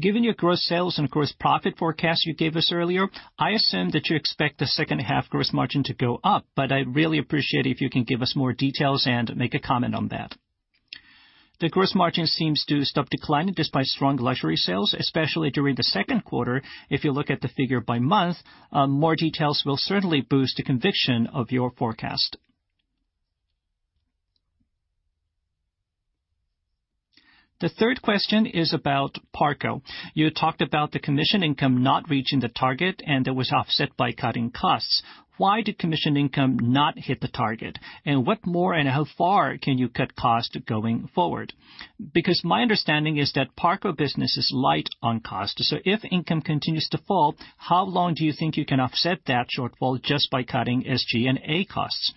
Given your gross sales and gross profit forecast you gave us earlier, I assume that you expect the second half gross margin to go up, but I'd really appreciate if you can give us more details and make a comment on that. The gross margin seems to stop declining despite strong luxury sales, especially during the second quarter. If you look at the figure by month, more details will certainly boost the conviction of your forecast. The third question is about PARCO. You talked about the commission income not reaching the target, and it was offset by cutting costs. Why did commission income not hit the target? What more and how far can you cut cost going forward? Because my understanding is that PARCO business is light on cost, so if income continues to fall, how long do you think you can offset that shortfall just by cutting SG&A costs?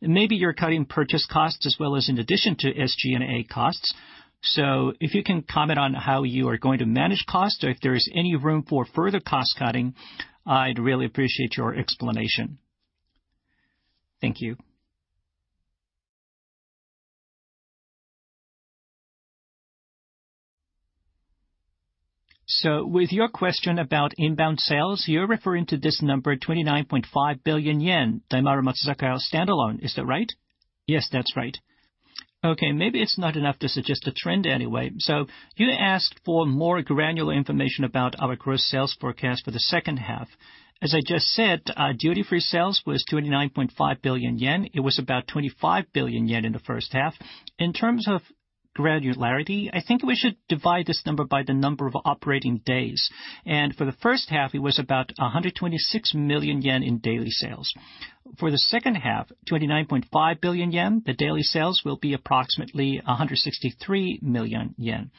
Maybe you're cutting purchase costs as well as in addition to SG&A costs, so if you can comment on how you are going to manage cost or if there is any room for further cost cutting, I'd really appreciate your explanation. Thank you. With your question about inbound sales, you're referring to this number, 29.5 billion yen, Daimaru Matsuzakaya standalone. Is that right? Yes, that's right. Okay, maybe it's not enough to suggest a trend anyway. You asked for more granular information about our gross sales forecast for the second half. As I just said, duty-free sales was 29.5 billion yen. It was about 25 billion yen in the first half. In terms of granularity, I think we should divide this number by the number of operating days, and for the first half, it was about 126 million yen in daily sales. For the second half, 29.5 billion yen, the daily sales will be approximately 163 million yen.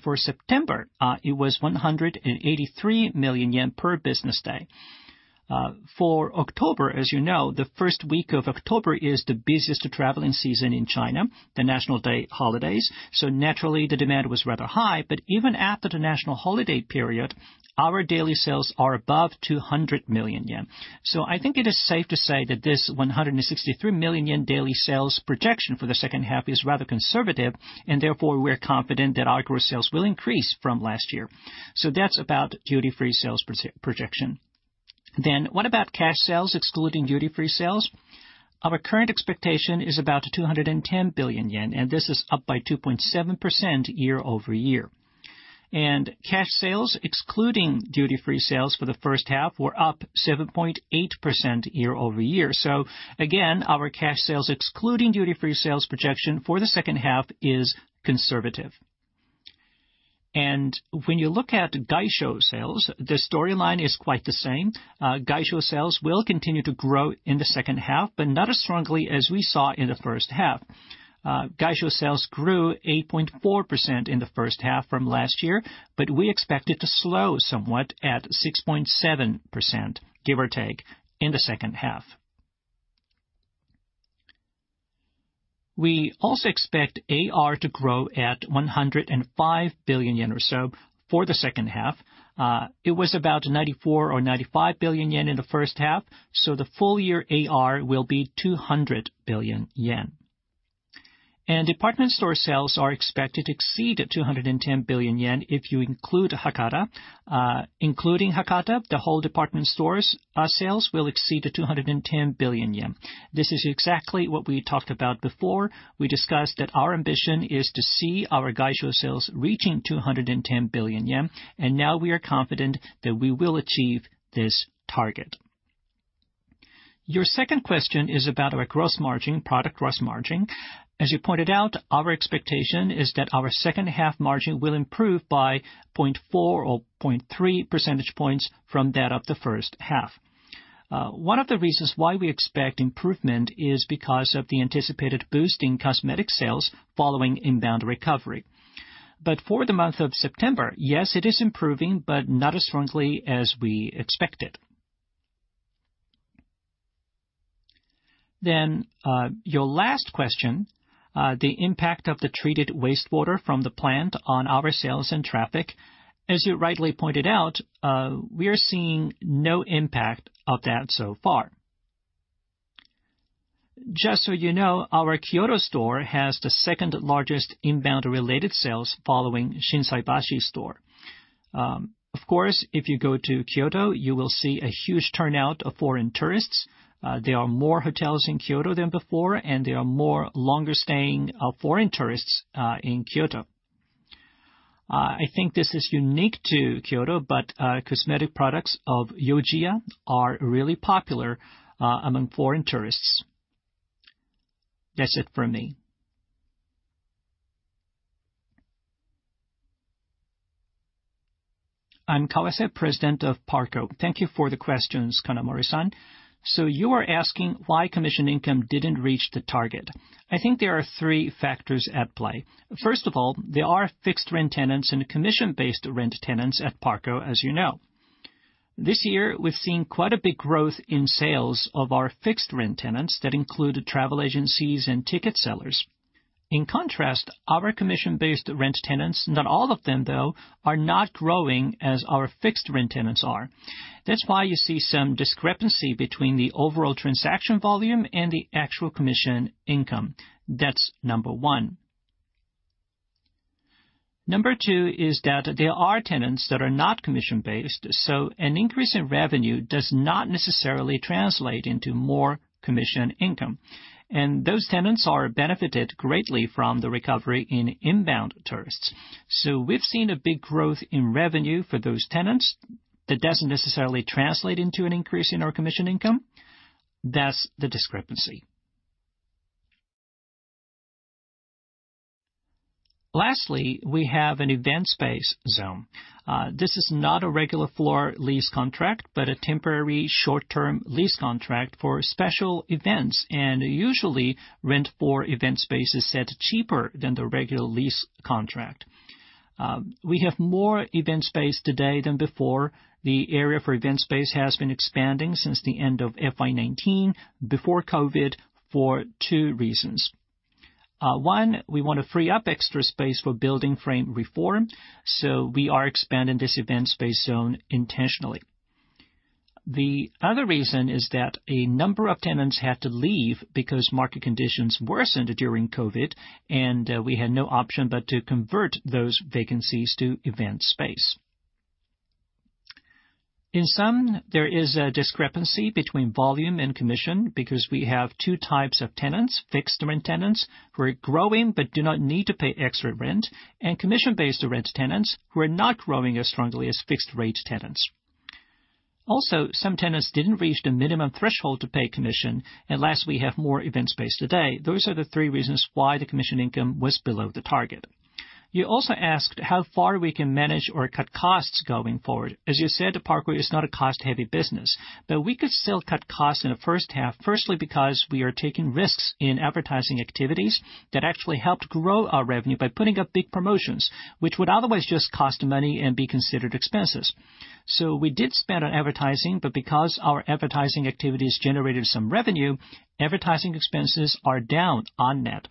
For September, it was 183 million yen per business day. For October, as you know, the first week of October is the busiest traveling season in China, the National Day holidays, so naturally, the demand was rather high. But even after the national holiday period, our daily sales are above 200 million yen. So I think it is safe to say that this 163 million yen daily sales projection for the second half is rather conservative, and therefore, we're confident that our gross sales will increase from last year. So that's about duty-free sales projection. Then what about cash sales, excluding duty-free sales? Our current expectation is about 210 billion yen, and this is up by 2.7% year-over-year. And cash sales, excluding duty-free sales for the first half, were up 7.8% year-over-year. So again, our cash sales, excluding duty-free sales projection for the second half, is conservative. And when you look at Gaisho sales, the storyline is quite the same. Gaisho sales will continue to grow in the second half, but not as strongly as we saw in the first half. Gaisho sales grew 8.4% in the first half from last year, but we expect it to slow somewhat at 6.7%, give or take, in the second half. We also expect AR to grow at 105 billion yen or so for the second half. It was about 94 or 95 billion in the first half, so the full year AR will be 200 billion yen. Department store sales are expected to exceed 210 billion yen if you include Hakata. Including Hakata, the whole department stores, sales will exceed 210 billion yen. This is exactly what we talked about before. We discussed that our ambition is to see our Gaisho sales reaching 210 billion yen, and now we are confident that we will achieve this target. Your second question is about our gross margin, product gross margin. As you pointed out, our expectation is that our second half margin will improve by 0.4 or 0.3 percentage points from that of the first half. One of the reasons why we expect improvement is because of the anticipated boost in cosmetic sales following inbound recovery. But for the month of September, yes, it is improving, but not as strongly as we expected. Then, your last question, the impact of the treated wastewater from the plant on our sales and traffic. As you rightly pointed out, we are seeing no impact of that so far. Just so you know, our Kyoto store has the second-largest inbound-related sales following Shinsaibashi store. Of course, if you go to Kyoto, you will see a huge turnout of foreign tourists. There are more hotels in Kyoto than before, and there are more longer-staying foreign tourists in Kyoto. I think this is unique to Kyoto, but cosmetic products of Yojiya are really popular among foreign tourists. That's it for me. I'm Kawase, President of PARCO. Thank you for the questions, Kanamori-san. So you are asking why commission income didn't reach the target. I think there are three factors at play. First of all, there are fixed rent tenants and commission-based rent tenants at PARCO, as you know. This year, we've seen quite a big growth in sales of our fixed rent tenants that include travel agencies and ticket sellers. In contrast, our commission-based rent tenants, not all of them, though, are not growing as our fixed rent tenants are. That's why you see some discrepancy between the overall transaction volume and the actual commission income. That's number one. Number two is that there are tenants that are not commission-based, so an increase in revenue does not necessarily translate into more commission income, and those tenants are benefited greatly from the recovery in inbound tourists. So we've seen a big growth in revenue for those tenants. That doesn't necessarily translate into an increase in our commission income. That's the discrepancy. Lastly, we have an event space zone. This is not a regular floor lease contract, but a temporary short-term lease contract for special events, and usually, rent for event space is set cheaper than the regular lease contract. We have more event space today than before. The area for event space has been expanding since the end of FY 2019, before COVID, for two reasons. One, we want to free up extra space for building frame reform, so we are expanding this event space zone intentionally. The other reason is that a number of tenants had to leave because market conditions worsened during COVID, and, we had no option but to convert those vacancies to event space. In sum, there is a discrepancy between volume and commission because we have two types of tenants: fixed rent tenants, who are growing but do not need to pay extra rent, and commission-based rent tenants, who are not growing as strongly as fixed-rate tenants. Also, some tenants didn't reach the minimum threshold to pay commission, and last, we have more event space today. Those are the three reasons why the commission income was below the target. You also asked how far we can manage or cut costs going forward. As you said, PARCO is not a cost-heavy business, but we could still cut costs in the first half. Firstly, because we are taking risks in advertising activities that actually helped grow our revenue by putting up big promotions, which would otherwise just cost money and be considered expenses. So we did spend on advertising, but because our advertising activities generated some revenue, advertising expenses are down on net.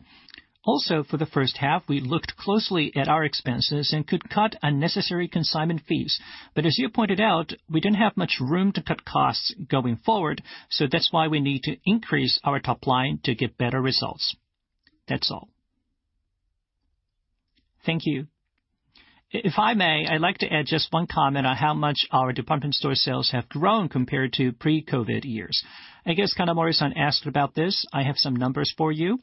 Also, for the first half, we looked closely at our expenses and could cut unnecessary consignment fees. But as you pointed out, we don't have much room to cut costs going forward, so that's why we need to increase our top line to get better results. That's all. Thank you. If I may, I'd like to add just one comment on how much our department store sales have grown compared to pre-COVID years. I guess Kanamori-san asked about this. I have some numbers for you.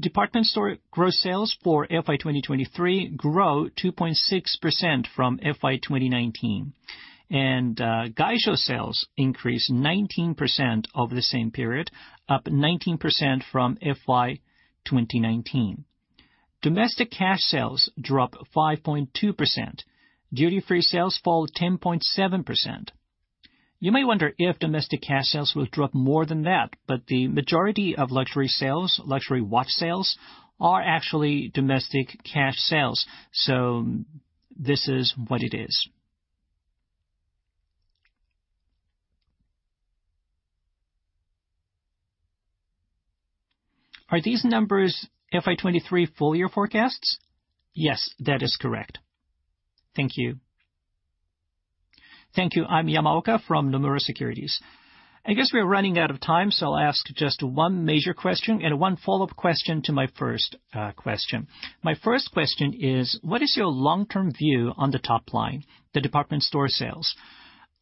Department store gross sales for FY 2023 grew 2.6% from FY 2019, and Gaisho sales increased 19% over the same period, up 19% from FY 2019. Domestic cash sales dropped 5.2%. Duty-free sales fell 10.7%. You may wonder if domestic cash sales will drop more than that, but the majority of luxury sales, luxury watch sales, are actually domestic cash sales, so this is what it is. Are these numbers FY 2023 full year forecasts? Yes, that is correct. Thank you. Thank you. I'm Yamaoka from Nomura Securities. I guess we are running out of time, so I'll ask just one major question and one follow-up question to my first question. My first question is, what is your long-term view on the top line, the department store sales?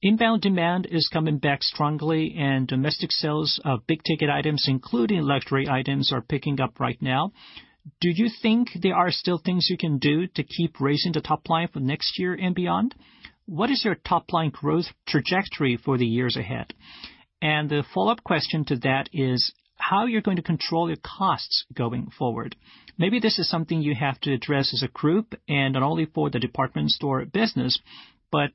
Inbound demand is coming back strongly, and domestic sales of big-ticket items, including luxury items, are picking up right now. Do you think there are still things you can do to keep raising the top line for next year and beyond? What is your top line growth trajectory for the years ahead? And the follow-up question to that is, how you're going to control your costs going forward. Maybe this is something you have to address as a group and not only for the department store business, but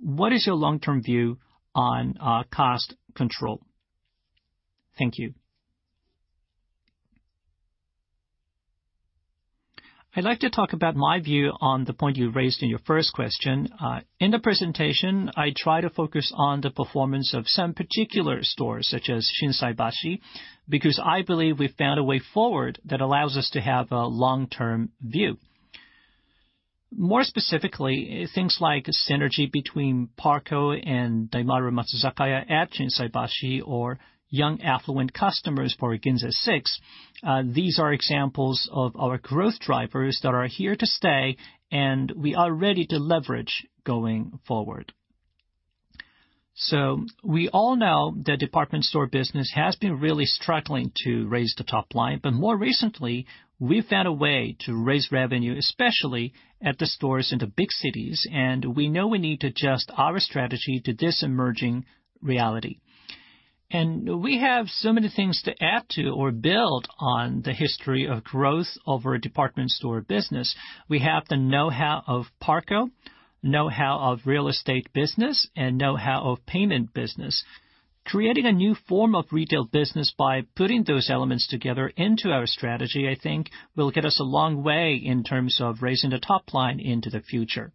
what is your long-term view on cost control? Thank you. I'd like to talk about my view on the point you raised in your first question. In the presentation, I try to focus on the performance of some particular stores, such as Shinsaibashi, because I believe we've found a way forward that allows us to have a long-term view. More specifically, things like synergy between PARCO and Daimaru Matsuzakaya at Shinsaibashi or young affluent customers for GINZA SIX. These are examples of our growth drivers that are here to stay, and we are ready to leverage going forward. So we all know the department store business has been really struggling to raise the top line, but more recently, we've found a way to raise revenue, especially at the stores in the big cities, and we know we need to adjust our strategy to this emerging reality. We have so many things to add to or build on the history of growth of our department store business. We have the know-how of PARCO, know-how of real estate business, and know-how of payment business. Creating a new form of retail business by putting those elements together into our strategy, I think will get us a long way in terms of raising the top line into the future.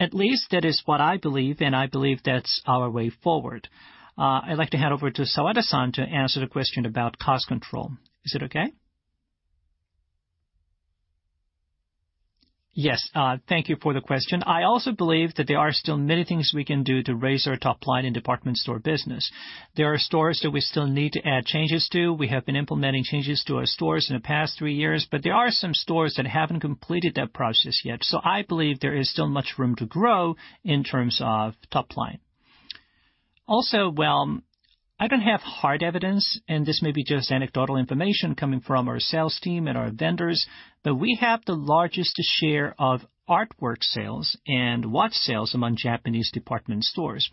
At least that is what I believe, and I believe that's our way forward. I'd like to hand over to Sawada-san to answer the question about cost control. Is it okay? Yes, thank you for the question. I also believe that there are still many things we can do to raise our top line in department store business. There are stores that we still need to add changes to. We have been implementing changes to our stores in the past three years, but there are some stores that haven't completed that process yet. So I believe there is still much room to grow in terms of top line. Also, well, I don't have hard evidence, and this may be just anecdotal information coming from our sales team and our vendors, but we have the largest share of artwork sales and watch sales among Japanese department stores.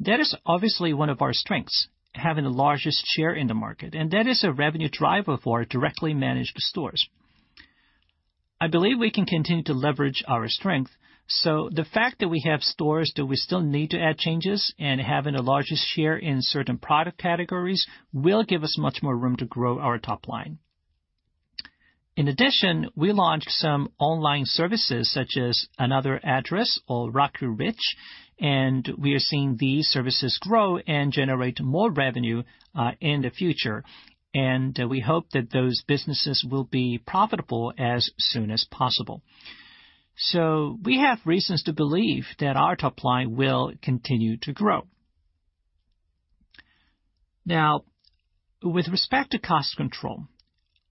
That is obviously one of our strengths, having the largest share in the market, and that is a revenue driver for our directly managed stores. I believe we can continue to leverage our strength, so the fact that we have stores that we still need to add changes and having the largest share in certain product categories will give us much more room to grow our top line. In addition, we launched some online services, such as Another Address or Raku-Rich, and we are seeing these services grow and generate more revenue in the future. And we hope that those businesses will be profitable as soon as possible. We have reasons to believe that our top line will continue to grow. Now, with respect to cost control,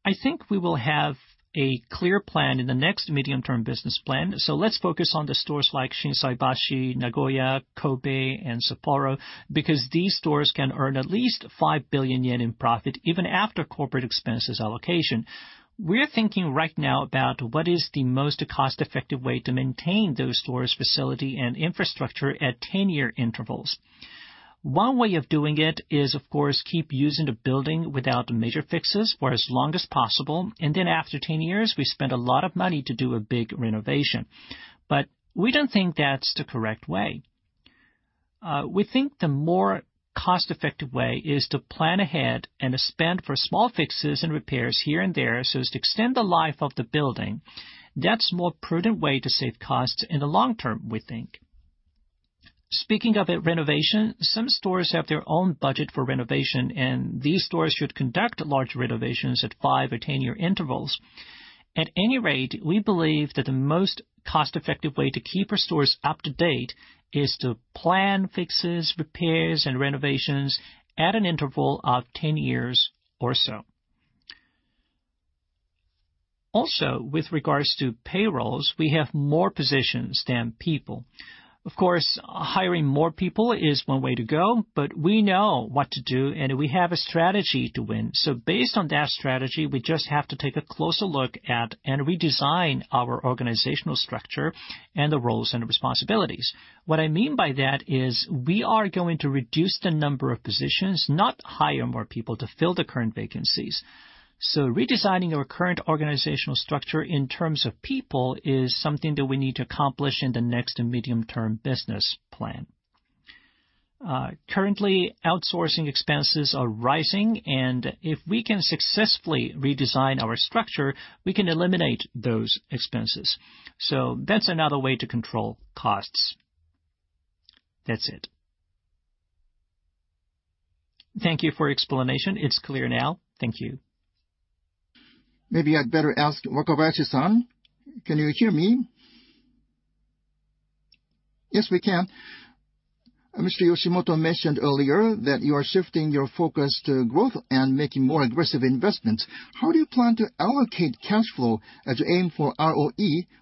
I think we will have a clear plan in the next medium-term business plan. Let's focus on the stores like Shinsaibashi, Nagoya, Kobe, and Sapporo, because these stores can earn at least 5 billion yen in profit, even after corporate expenses allocation. We're thinking right now about what is the most cost-effective way to maintain those stores' facility and infrastructure at 10-year intervals. One way of doing it is, of course, keep using the building without major fixes for as long as possible, and then after 10 years, we spend a lot of money to do a big renovation. We don't think that's the correct way. We think the more cost-effective way is to plan ahead and spend for small fixes and repairs here and there, so as to extend the life of the building. That's a more prudent way to save costs in the long term, we think. Speaking of a renovation, some stores have their own budget for renovation, and these stores should conduct large renovations at five or ten-year intervals. At any rate, we believe that the most cost-effective way to keep our stores up to date is to plan fixes, repairs, and renovations at an interval of ten years or so. Also, with regards to payrolls, we have more positions than people. Of course, hiring more people is one way to go, but we know what to do, and we have a strategy to win. Based on that strategy, we just have to take a closer look at and redesign our organizational structure and the roles and responsibilities. What I mean by that is, we are going to reduce the number of positions, not hire more people to fill the current vacancies. Redesigning our current organizational structure in terms of people is something that we need to accomplish in the next medium-term business plan. Currently, outsourcing expenses are rising, and if we can successfully redesign our structure, we can eliminate those expenses. So that's another way to control costs. That's it. Thank you for your explanation. It's clear now. Thank you. Maybe I'd better ask Wakabayashi-san. Can you hear me? Yes, we can. Mr. Yoshimoto mentioned earlier that you are shifting your focus to growth and making more aggressive investments. How do you plan to allocate cash flow as you aim for ROE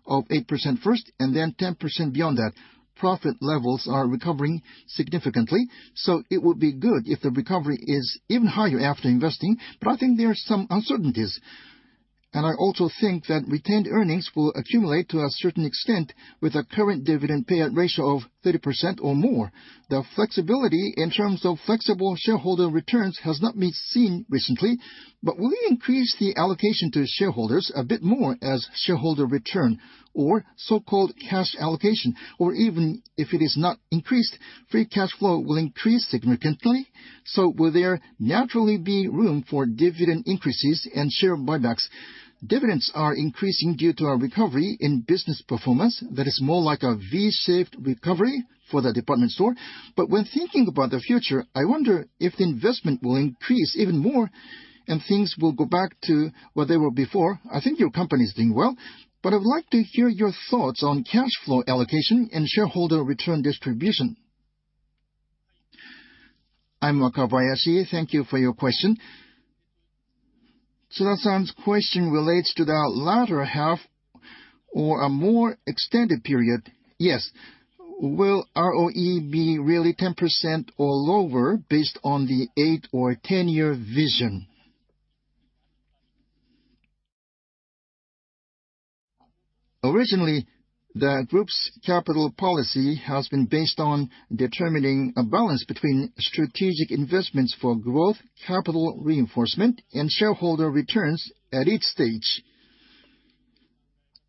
of 8% first, and then 10% beyond that? Profit levels are recovering significantly, so it would be good if the recovery is even higher after investing, but I think there are some uncertainties... And I also think that retained earnings will accumulate to a certain extent with a current dividend payout ratio of 30% or more. The flexibility in terms of flexible shareholder returns has not been seen recently, but will we increase the allocation to shareholders a bit more as shareholder return or so-called cash allocation? Or even if it is not increased, free cash flow will increase significantly, so will there naturally be room for dividend increases and share buybacks? Dividends are increasing due to a recovery in business performance that is more like a V-shaped recovery for the department store. But when thinking about the future, I wonder if the investment will increase even more, and things will go back to what they were before. I think your company is doing well, but I would like to hear your thoughts on cash flow allocation and shareholder return distribution. I'm Wakabayashi. Thank you for your question. Tsuda-san's question relates to the latter half or a more extended period. Yes, will ROE be really 10% or lower based on the 8- or 10-year vision? Originally, the group's capital policy has been based on determining a balance between strategic investments for growth, capital reinforcement, and shareholder returns at each stage.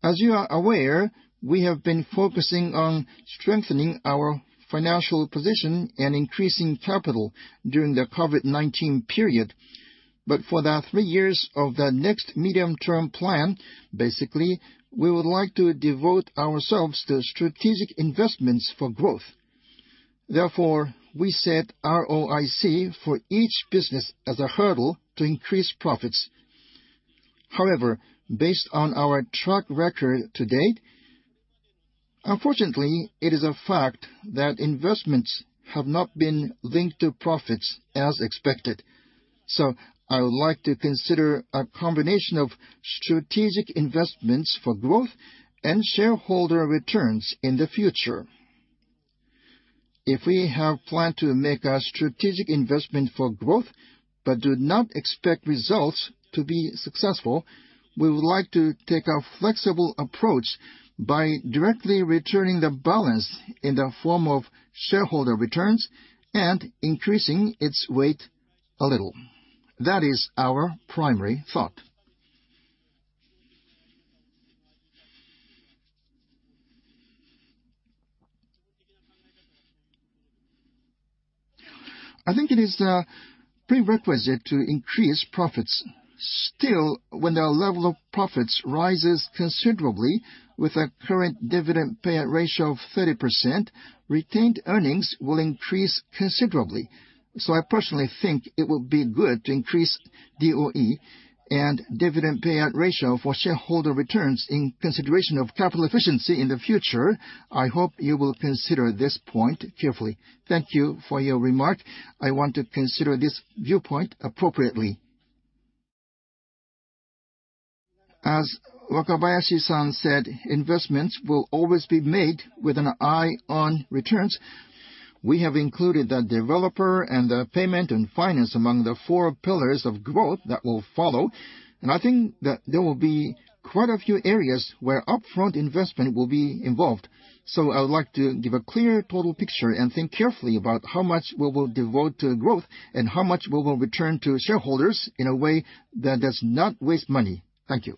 As you are aware, we have been focusing on strengthening our financial position and increasing capital during the COVID-19 period. But for the three years of the next medium-term plan, basically, we would like to devote ourselves to strategic investments for growth. Therefore, we set ROIC for each business as a hurdle to increase profits. However, based on our track record to date, unfortunately, it is a fact that investments have not been linked to profits as expected. So I would like to consider a combination of strategic investments for growth and shareholder returns in the future. If we have planned to make a strategic investment for growth, but do not expect results to be successful, we would like to take a flexible approach by directly returning the balance in the form of shareholder returns and increasing its weight a little. That is our primary thought. I think it is the prerequisite to increase profits. Still, when the level of profits rises considerably with a current dividend payout ratio of 30%, retained earnings will increase considerably. So I personally think it would be good to increase DOE and dividend payout ratio for shareholder returns in consideration of capital efficiency in the future. I hope you will consider this point carefully. Thank you for your remark. I want to consider this viewpoint appropriately. As Wakabayashi-san said, investments will always be made with an eye on returns. We have included the developer and the payment and finance among the four pillars of growth that will follow, and I think that there will be quite a few areas where upfront investment will be involved. I would like to give a clear total picture and think carefully about how much we will devote to growth and how much we will return to shareholders in a way that does not waste money. Thank you.